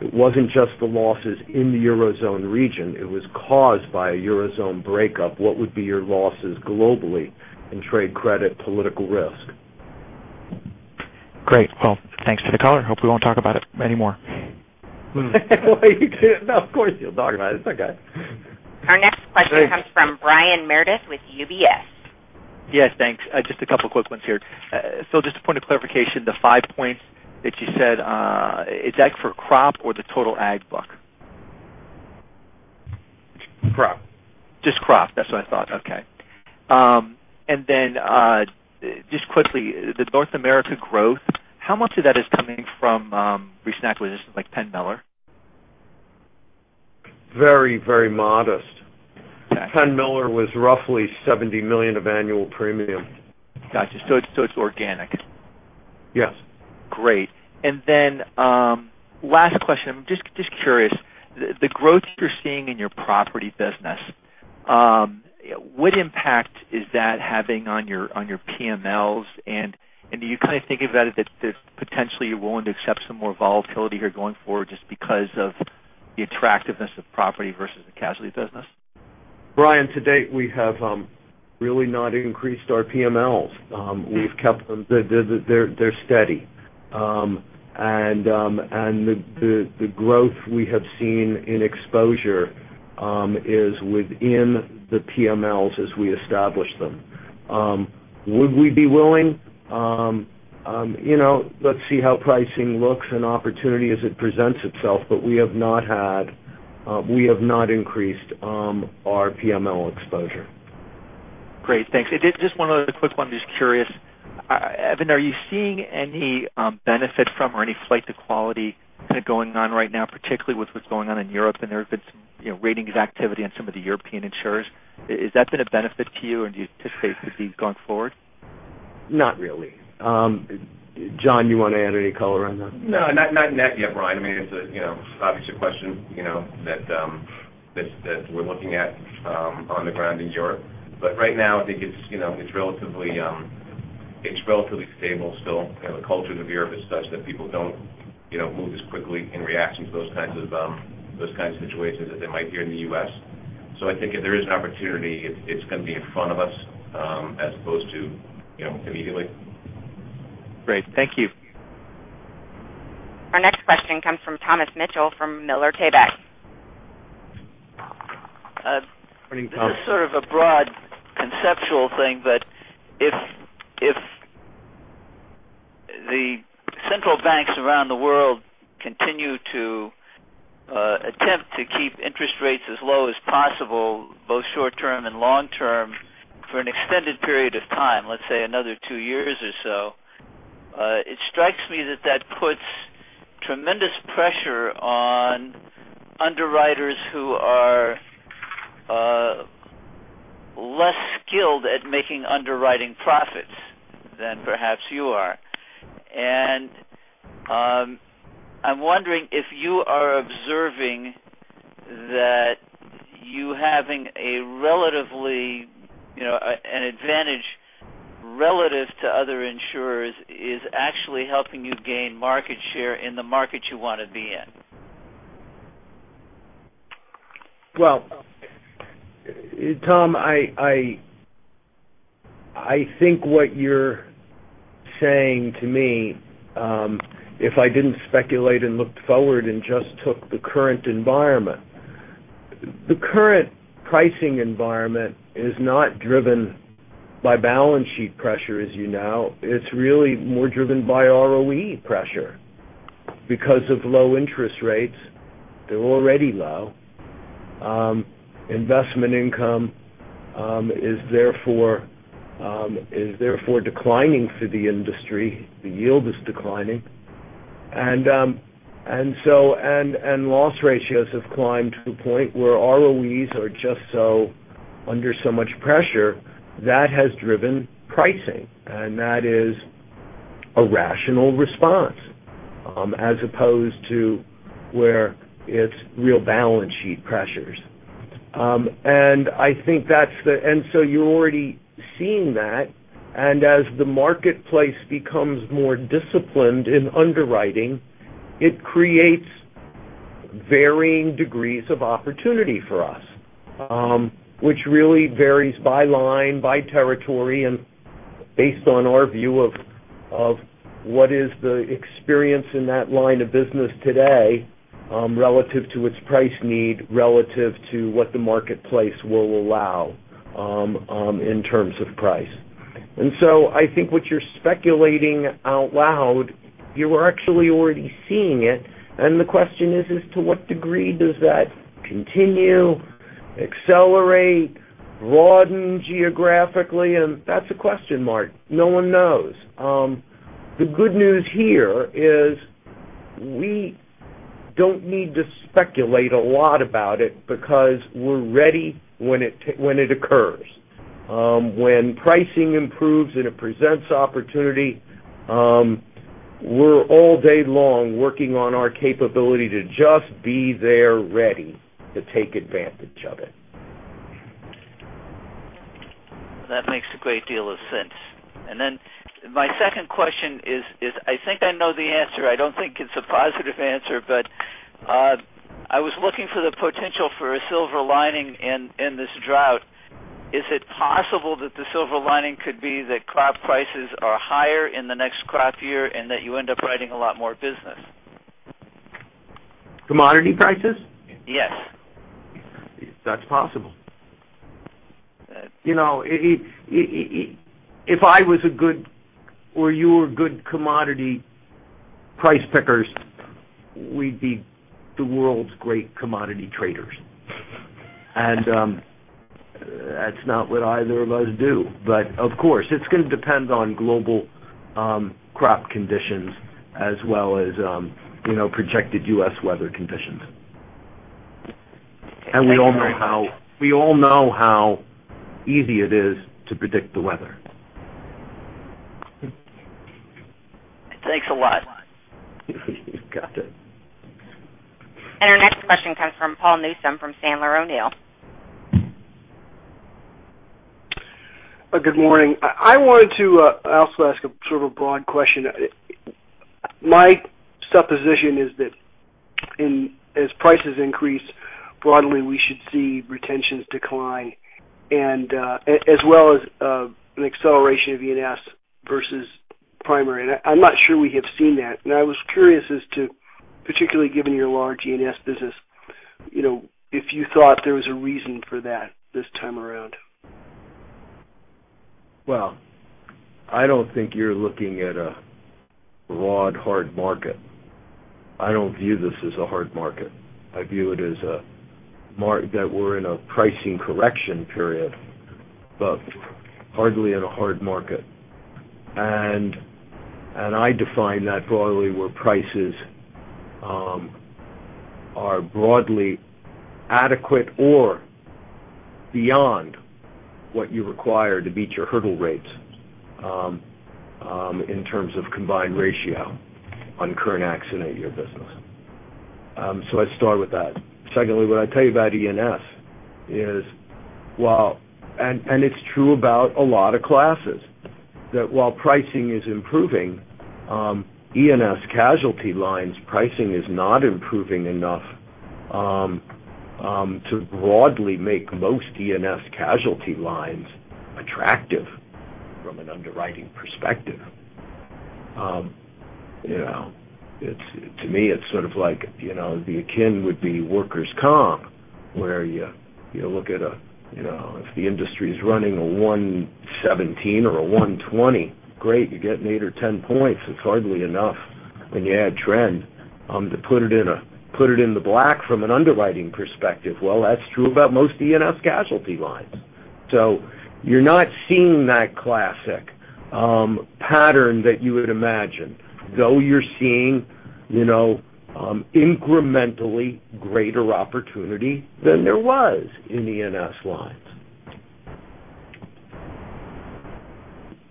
It wasn't just the losses in the Eurozone region. It was caused by a Eurozone breakup. What would be your losses globally in trade credit political risk? Great. Well, thanks for the color. Hope we won't talk about it anymore. Of course you'll talk about it. It's okay. Our next question comes from Brian Meredith with UBS. Yes, thanks. Just a couple of quick ones here. Just a point of clarification, the five points that you said, is that for crop or the total ag book? Crop. Just crop. That's what I thought. Okay. Just quickly, the North America growth, how much of that is coming from recent acquisitions like Penn Millers? Very modest. Okay. Penn Millers was roughly $70 million of annual premium. Got you. It's organic. Yes. Great. Last question. I'm just curious. The growth that you're seeing in your property business, what impact is that having on your PMLs? Do you kind of think about it that potentially you're willing to accept some more volatility here going forward just because of the attractiveness of property versus the casualty business? Brian, to date, we have really not increased our PMLs. They're steady. The growth we have seen in exposure is within the PMLs as we establish them. Would we be willing? Let's see how pricing looks and opportunity as it presents itself, but we have not increased our PML exposure. Great. Thanks. Just one other quick one, just curious. Evan, are you seeing any benefit from or any flight to quality kind of going on right now, particularly with what's going on in Europe? I know there have been some ratings activity on some of the European insurers. Has that been a benefit to you, or do you anticipate it to be going forward? Not really. John, you want to add any color on that? No, not yet, Brian. I mean, it's obviously a question that we're looking at on the ground in Europe. Right now, I think it's relatively stable still. Kind of the culture of Europe is such that people don't move as quickly in reaction to those kinds of situations as they might here in the U.S. I think if there is an opportunity, it's going to be in front of us as opposed to immediately. Great. Thank you. Our next question comes from Thomas Mitchell from Miller Tabak. Uh- Morning, Tom. This is sort of a broad conceptual thing, but if the central banks around the world continue to attempt to keep interest rates as low as possible, both short-term and long-term, for an extended period of time, let's say another two years or so, it strikes me that puts tremendous pressure on underwriters who are less skilled at making underwriting profits than perhaps you are. I'm wondering if you are observing that you having an advantage relative to other insurers is actually helping you gain market share in the market you want to be in. Well, Tom, I think what you're saying to me, if I didn't speculate and looked forward and just took the current environment. The current pricing environment is not driven by balance sheet pressure, as you know. It's really more driven by ROE pressure because of low interest rates. They're already low. Investment income is therefore declining for the industry. The yield is declining. Loss ratios have climbed to a point where ROEs are just under so much pressure. That has driven pricing, and that is a rational response as opposed to where it's real balance sheet pressures. You're already seeing that, as the marketplace becomes more disciplined in underwriting, it creates varying degrees of opportunity for us, which really varies by line, by territory, and based on our view of what is the experience in that line of business today relative to its price need, relative to what the marketplace will allow in terms of price. I think what you're speculating out loud, you're actually already seeing it, and the question is to what degree does that continue, accelerate, broaden geographically? That's a question mark. No one knows. The good news here is we don't need to speculate a lot about it because we're ready when it occurs. When pricing improves and it presents opportunity, we're all day long working on our capability to just be there, ready to take advantage of it. That makes a great deal of sense. My second question is, I think I know the answer. I don't think it's a positive answer, but I was looking for the potential for a silver lining in this drought. Is it possible that the silver lining could be that crop prices are higher in the next crop year and that you end up writing a lot more business? Commodity prices? Yes. That's possible. If you were good commodity price pickers, we'd be the world's great commodity traders. That's not what either of us do, but of course, it's going to depend on global crop conditions as well as projected U.S. weather conditions. Thank you very much. We all know how easy it is to predict the weather. Thanks a lot. You got it. Our next question comes from Paul Newsome from Sandler O'Neill. Good morning. I wanted to also ask sort of a broad question. My supposition is that as prices increase, broadly, we should see retentions decline and as well as an acceleration of E&S versus primary. I'm not sure we have seen that. I was curious as to, particularly given your large E&S business, if you thought there was a reason for that this time around. Well, I don't think you're looking at a raw, hard market. I don't view this as a hard market. I view it as that we're in a pricing correction period, but hardly in a hard market. I define that broadly where prices are broadly adequate or beyond what you require to beat your hurdle rates in terms of combined ratio on current accident year business. Let's start with that. Secondly, what I'd tell you about E&S is it's true about a lot of classes. That while pricing is improving, E&S casualty lines pricing is not improving enough to broadly make most E&S casualty lines attractive from an underwriting perspective. To me, it's sort of like the akin would be workers' comp, where you look at if the industry's running a 117 or a 120, great, you're getting eight or 10 points. It's hardly enough when you add trend to put it in the black from an underwriting perspective. Well, that's true about most E&S casualty lines. You're not seeing that classic pattern that you would imagine, though you're seeing incrementally greater opportunity than there was in E&S lines.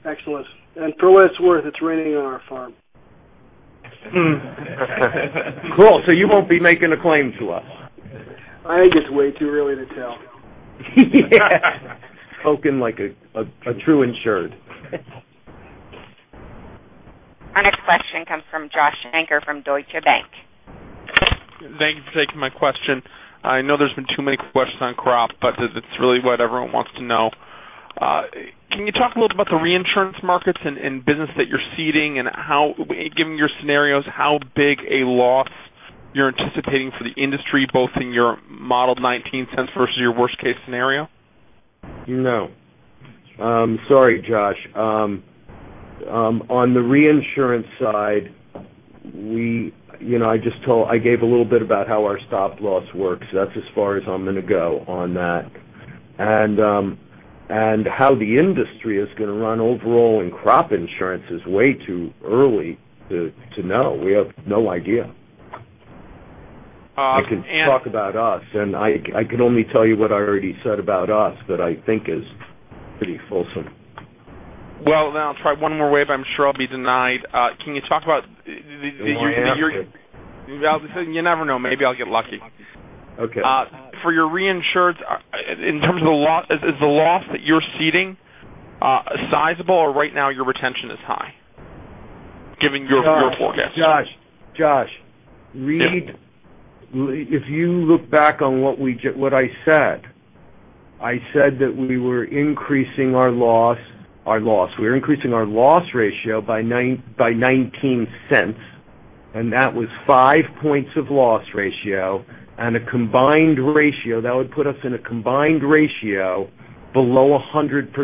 Excellent. For what it's worth, it's raining on our farm. Cool. You won't be making a claim to us. I think it's way too early to tell. Yeah. Speaking like a true insured. Our next question comes from Josh Shanker from Deutsche Bank. Thank you for taking my question. I know there's been too many questions on crop, but it's really what everyone wants to know. Can you talk a little about the reinsurance markets and business that you're ceding, and given your scenarios, how big a loss you're anticipating for the industry, both in your modeled $0.19 versus your worst-case scenario? No. Sorry, Josh. On the reinsurance side, I gave a little bit about how our stop loss works. That's as far as I'm going to go on that. How the industry is going to run overall in crop insurance is way too early to know. We have no idea. And- I could talk about us, and I can only tell you what I already said about us, that I think is pretty fulsome. Well, I'll try one more way, but I'm sure I'll be denied. Can you talk about the. You want to ask it. You never know. Maybe I'll get lucky. Okay. For your reinsurance, in terms of the loss, is the loss that you're ceding sizable or right now your retention is high, given your forecast? Josh. If you look back on what I said, I said that we were increasing our loss ratio by $0.19, that was five points of loss ratio and a combined ratio. That would put us in a combined ratio below 100%.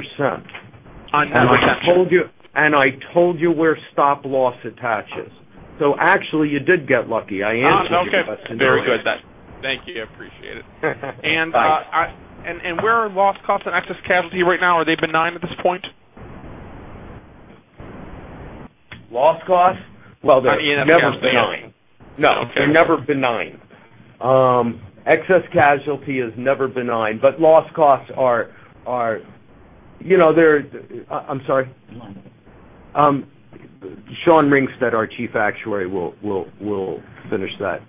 On the retention. I told you where stop loss attaches. Actually, you did get lucky. I am talking about retention. Okay. Very good. Thank you. I appreciate it. Thanks. Where are loss costs on excess casualty right now? Are they benign at this point? Loss costs? Well, they're never benign. No, they're never benign. Excess casualty is never benign, but loss costs I'm sorry. Sean Ringsted, our Chief Actuary, will finish that.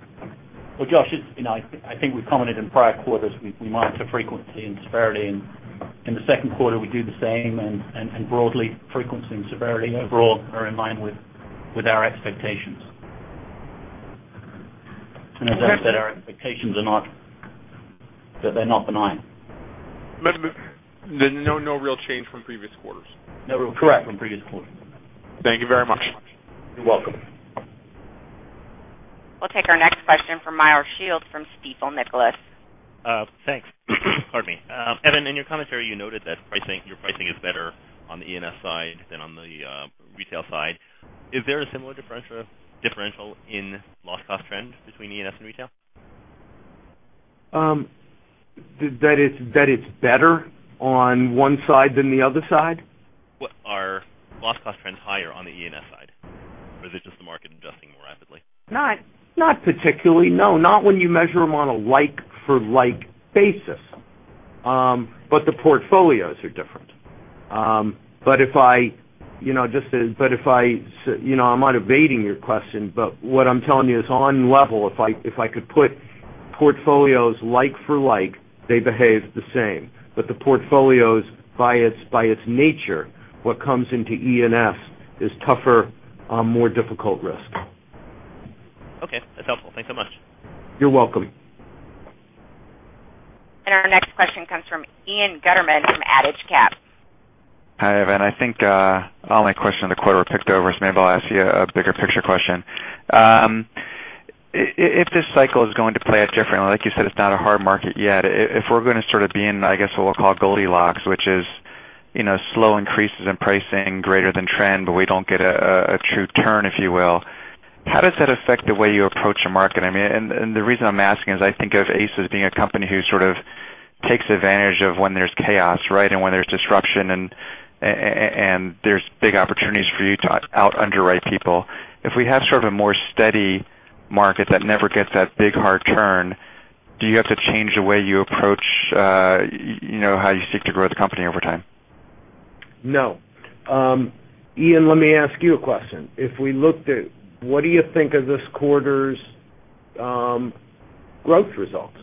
Well, Josh, I think we've commented in prior quarters, we monitor frequency and severity. In the second quarter, we do the same, broadly, frequency and severity overall are in line with our expectations. As I said, our expectations are not benign. No real change from previous quarters? No real change from previous quarters. Thank you very much. You're welcome. We'll take our next question from Meyer Shields from Stifel Nicolaus. Thanks. Pardon me. Evan, in your commentary, you noted that your pricing is better on the E&S side than on the retail side. Is there a similar differential in loss cost trend between E&S and retail? That it's better on one side than the other side? Are loss cost trends higher on the E&S side, or is it just the market adjusting more rapidly? Not particularly, no. Not when you measure them on a like-for-like basis. The portfolios are different. I'm not evading your question, but what I'm telling you is on level, if I could put portfolios like for like, they behave the same. The portfolios, by its nature, what comes into E&S is tougher, more difficult risk. Okay, that's helpful. Thanks so much. You're welcome. Our next question comes from Ian Gutterman from Adage Capital. Hi, Evan. I think all my question of the quarter were picked over, so maybe I'll ask you a bigger picture question. If this cycle is going to play out differently, like you said, it's not a hard market yet. If we're going to sort of be in, I guess what we'll call Goldilocks, which is slow increases in pricing greater than trend, but we don't get a true turn, if you will. How does that affect the way you approach a market? The reason I'm asking is I think of ACE as being a company who sort of takes advantage of when there's chaos, right? When there's disruption and there's big opportunities for you to out-underwrite people. If we have sort of a more steady market that never gets that big, hard turn, do you have to change the way you approach how you seek to grow the company over time? No. Ian, let me ask you a question. If we looked at what do you think of this quarter's growth results?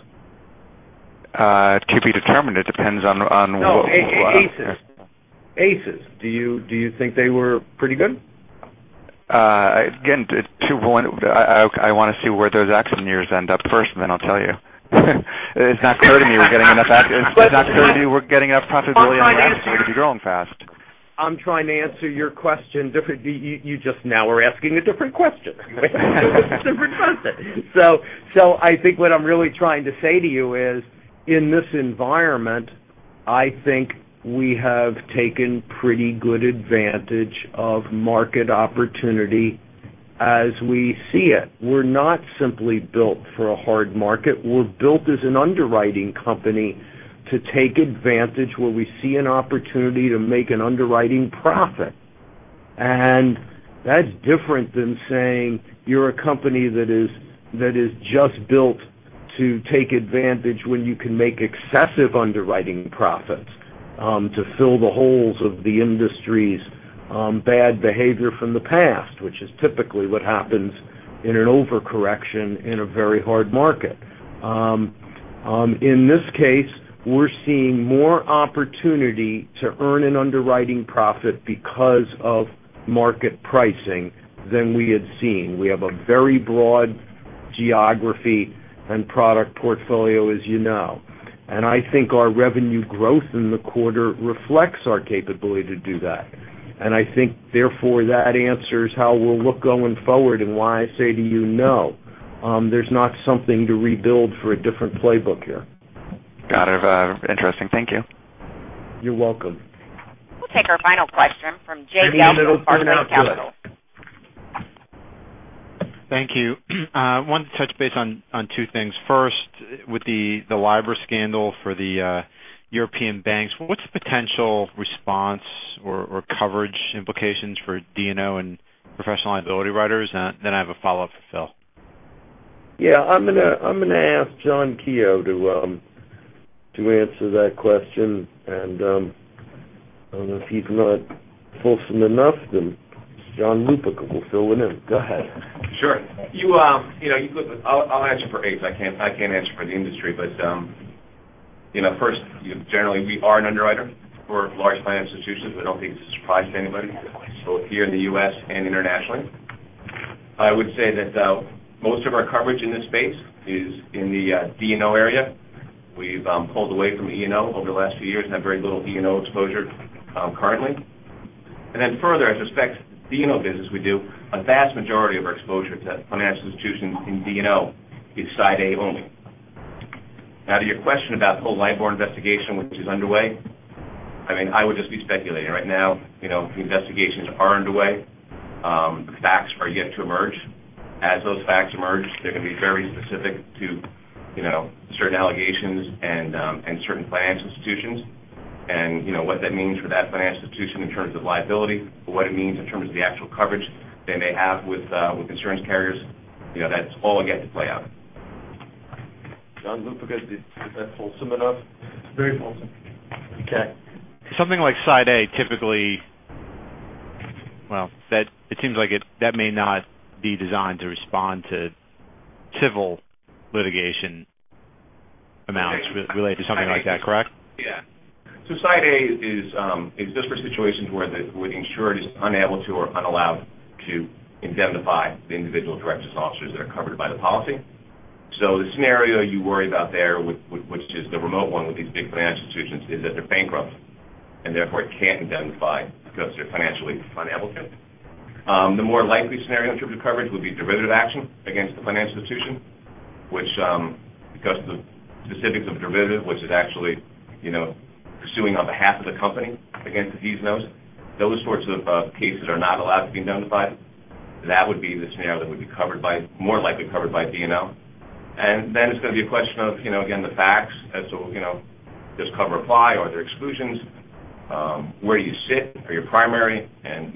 To be determined. It depends on. No, ACE's. Do you think they were pretty good? Again, I want to see where those action years end up first, and then I'll tell you. It's not clear to me we're getting enough profitability in the last quarter to be growing fast. I'm trying to answer your question. You just now are asking a different question. It's a different question. I think what I'm really trying to say to you is, in this environment, I think we have taken pretty good advantage of market opportunity as we see it. We're not simply built for a hard market. We're built as an underwriting company to take advantage where we see an opportunity to make an underwriting profit. That's different than saying you're a company that is just built to take advantage when you can make excessive underwriting profits, to fill the holes of the industry's bad behavior from the past, which is typically what happens in an overcorrection in a very hard market. In this case, we're seeing more opportunity to earn an underwriting profit because of market pricing than we had seen. We have a very broad geography and product portfolio, as you know. I think our revenue growth in the quarter reflects our capability to do that. I think therefore, that answers how we'll look going forward and why I say to you, "No, there's not something to rebuild for a different playbook here. Got it. Interesting. Thank you. You're welcome. We'll take our final question from [Jay Gelman] of Park Avenue Capital. Thank you. I wanted to touch base on two things. First, with the Libor scandal for the European banks, what's the potential response or coverage implications for D&O and professional liability writers? I have a follow-up for Phil. Yeah, I'm going to ask John Keogh to answer that question, and I don't know, if he's not fulsome enough, then John Lupica will fill it in. Go ahead. Sure. I'll answer for ACE. I can't answer for the industry, but first, generally, we are an underwriter for large financial institutions. I don't think it's a surprise to anybody, both here in the U.S. and internationally. I would say that most of our coverage in this space is in the D&O area. We've pulled away from E&O over the last few years and have very little E&O exposure currently. Further, I suspect the E&O business we do, a vast majority of our exposure to financial institutions in D&O is Side A only. Now, to your question about the whole Libor investigation, which is underway, I would just be speculating right now. The investigations are underway. The facts are yet to emerge. As those facts emerge, they're going to be very specific to certain allegations and certain financial institutions. What that means for that financial institution in terms of liability or what it means in terms of the actual coverage they may have with insurance carriers, that's all yet to play out. John Lupica, is that fulsome enough? Very fulsome. Okay. Something like Side A typically, well, it seems like that may not be designed to respond to civil litigation amounts related to something like that, correct? Yeah. Side A is just for situations where the insured is unable to or unallowed to indemnify the individual directors, officers that are covered by the policy. The scenario you worry about there, which is the remote one with these big financial institutions, is that they're bankrupt and therefore can't indemnify because they're financially unable to. The more likely scenario in terms of coverage would be derivative action against the financial institution, which because of the specifics of derivative, which is actually suing on behalf of the company against the D&Os. Those sorts of cases are not allowed to be indemnified. That would be the scenario that would more likely be covered by D&O. It's going to be a question of, again, the facts as to does cover apply? Are there exclusions? Where do you sit? Are you primary?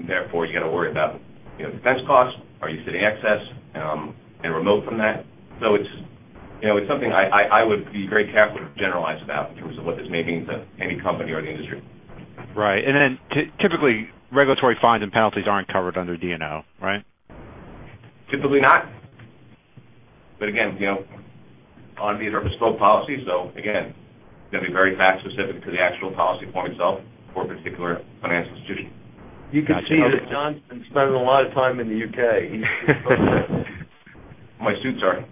Therefore, you got to worry about defense costs. Are you sitting excess and remote from that? It's something I would be very careful to generalize about in terms of what this may mean to any company or the industry. Right. Then typically, regulatory fines and penalties aren't covered under D&O, right? Typically not. Again, these are bespoke policies, so again, going to be very fact-specific to the actual policy form itself for a particular financial institution. You can see that John's been spending a lot of time in the U.K. My suits are.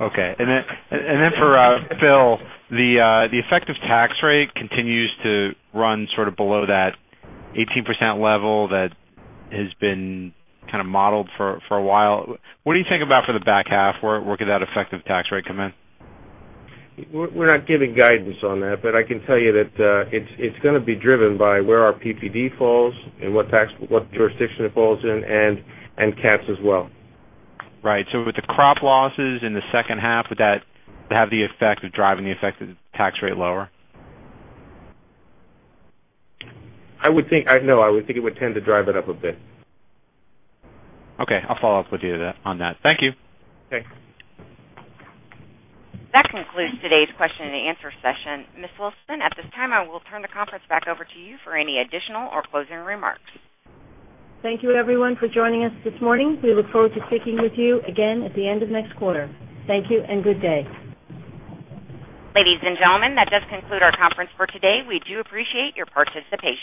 Okay. Then for Phil, the effective tax rate continues to run sort of below that 18% level that has been kind of modeled for a while. What do you think about for the back half? Where could that effective tax rate come in? We're not giving guidance on that, I can tell you that it's going to be driven by where our PPD falls and what jurisdiction it falls in, and caps as well. Right. With the crop losses in the second half, would that have the effect of driving the effective tax rate lower? No, I would think it would tend to drive it up a bit. Okay. I'll follow up with you on that. Thank you. Okay. That concludes today's question and answer session. Ms. Wilson, at this time, I will turn the conference back over to you for any additional or closing remarks. Thank you, everyone, for joining us this morning. We look forward to speaking with you again at the end of next quarter. Thank you and good day. Ladies and gentlemen, that does conclude our conference for today. We do appreciate your participation.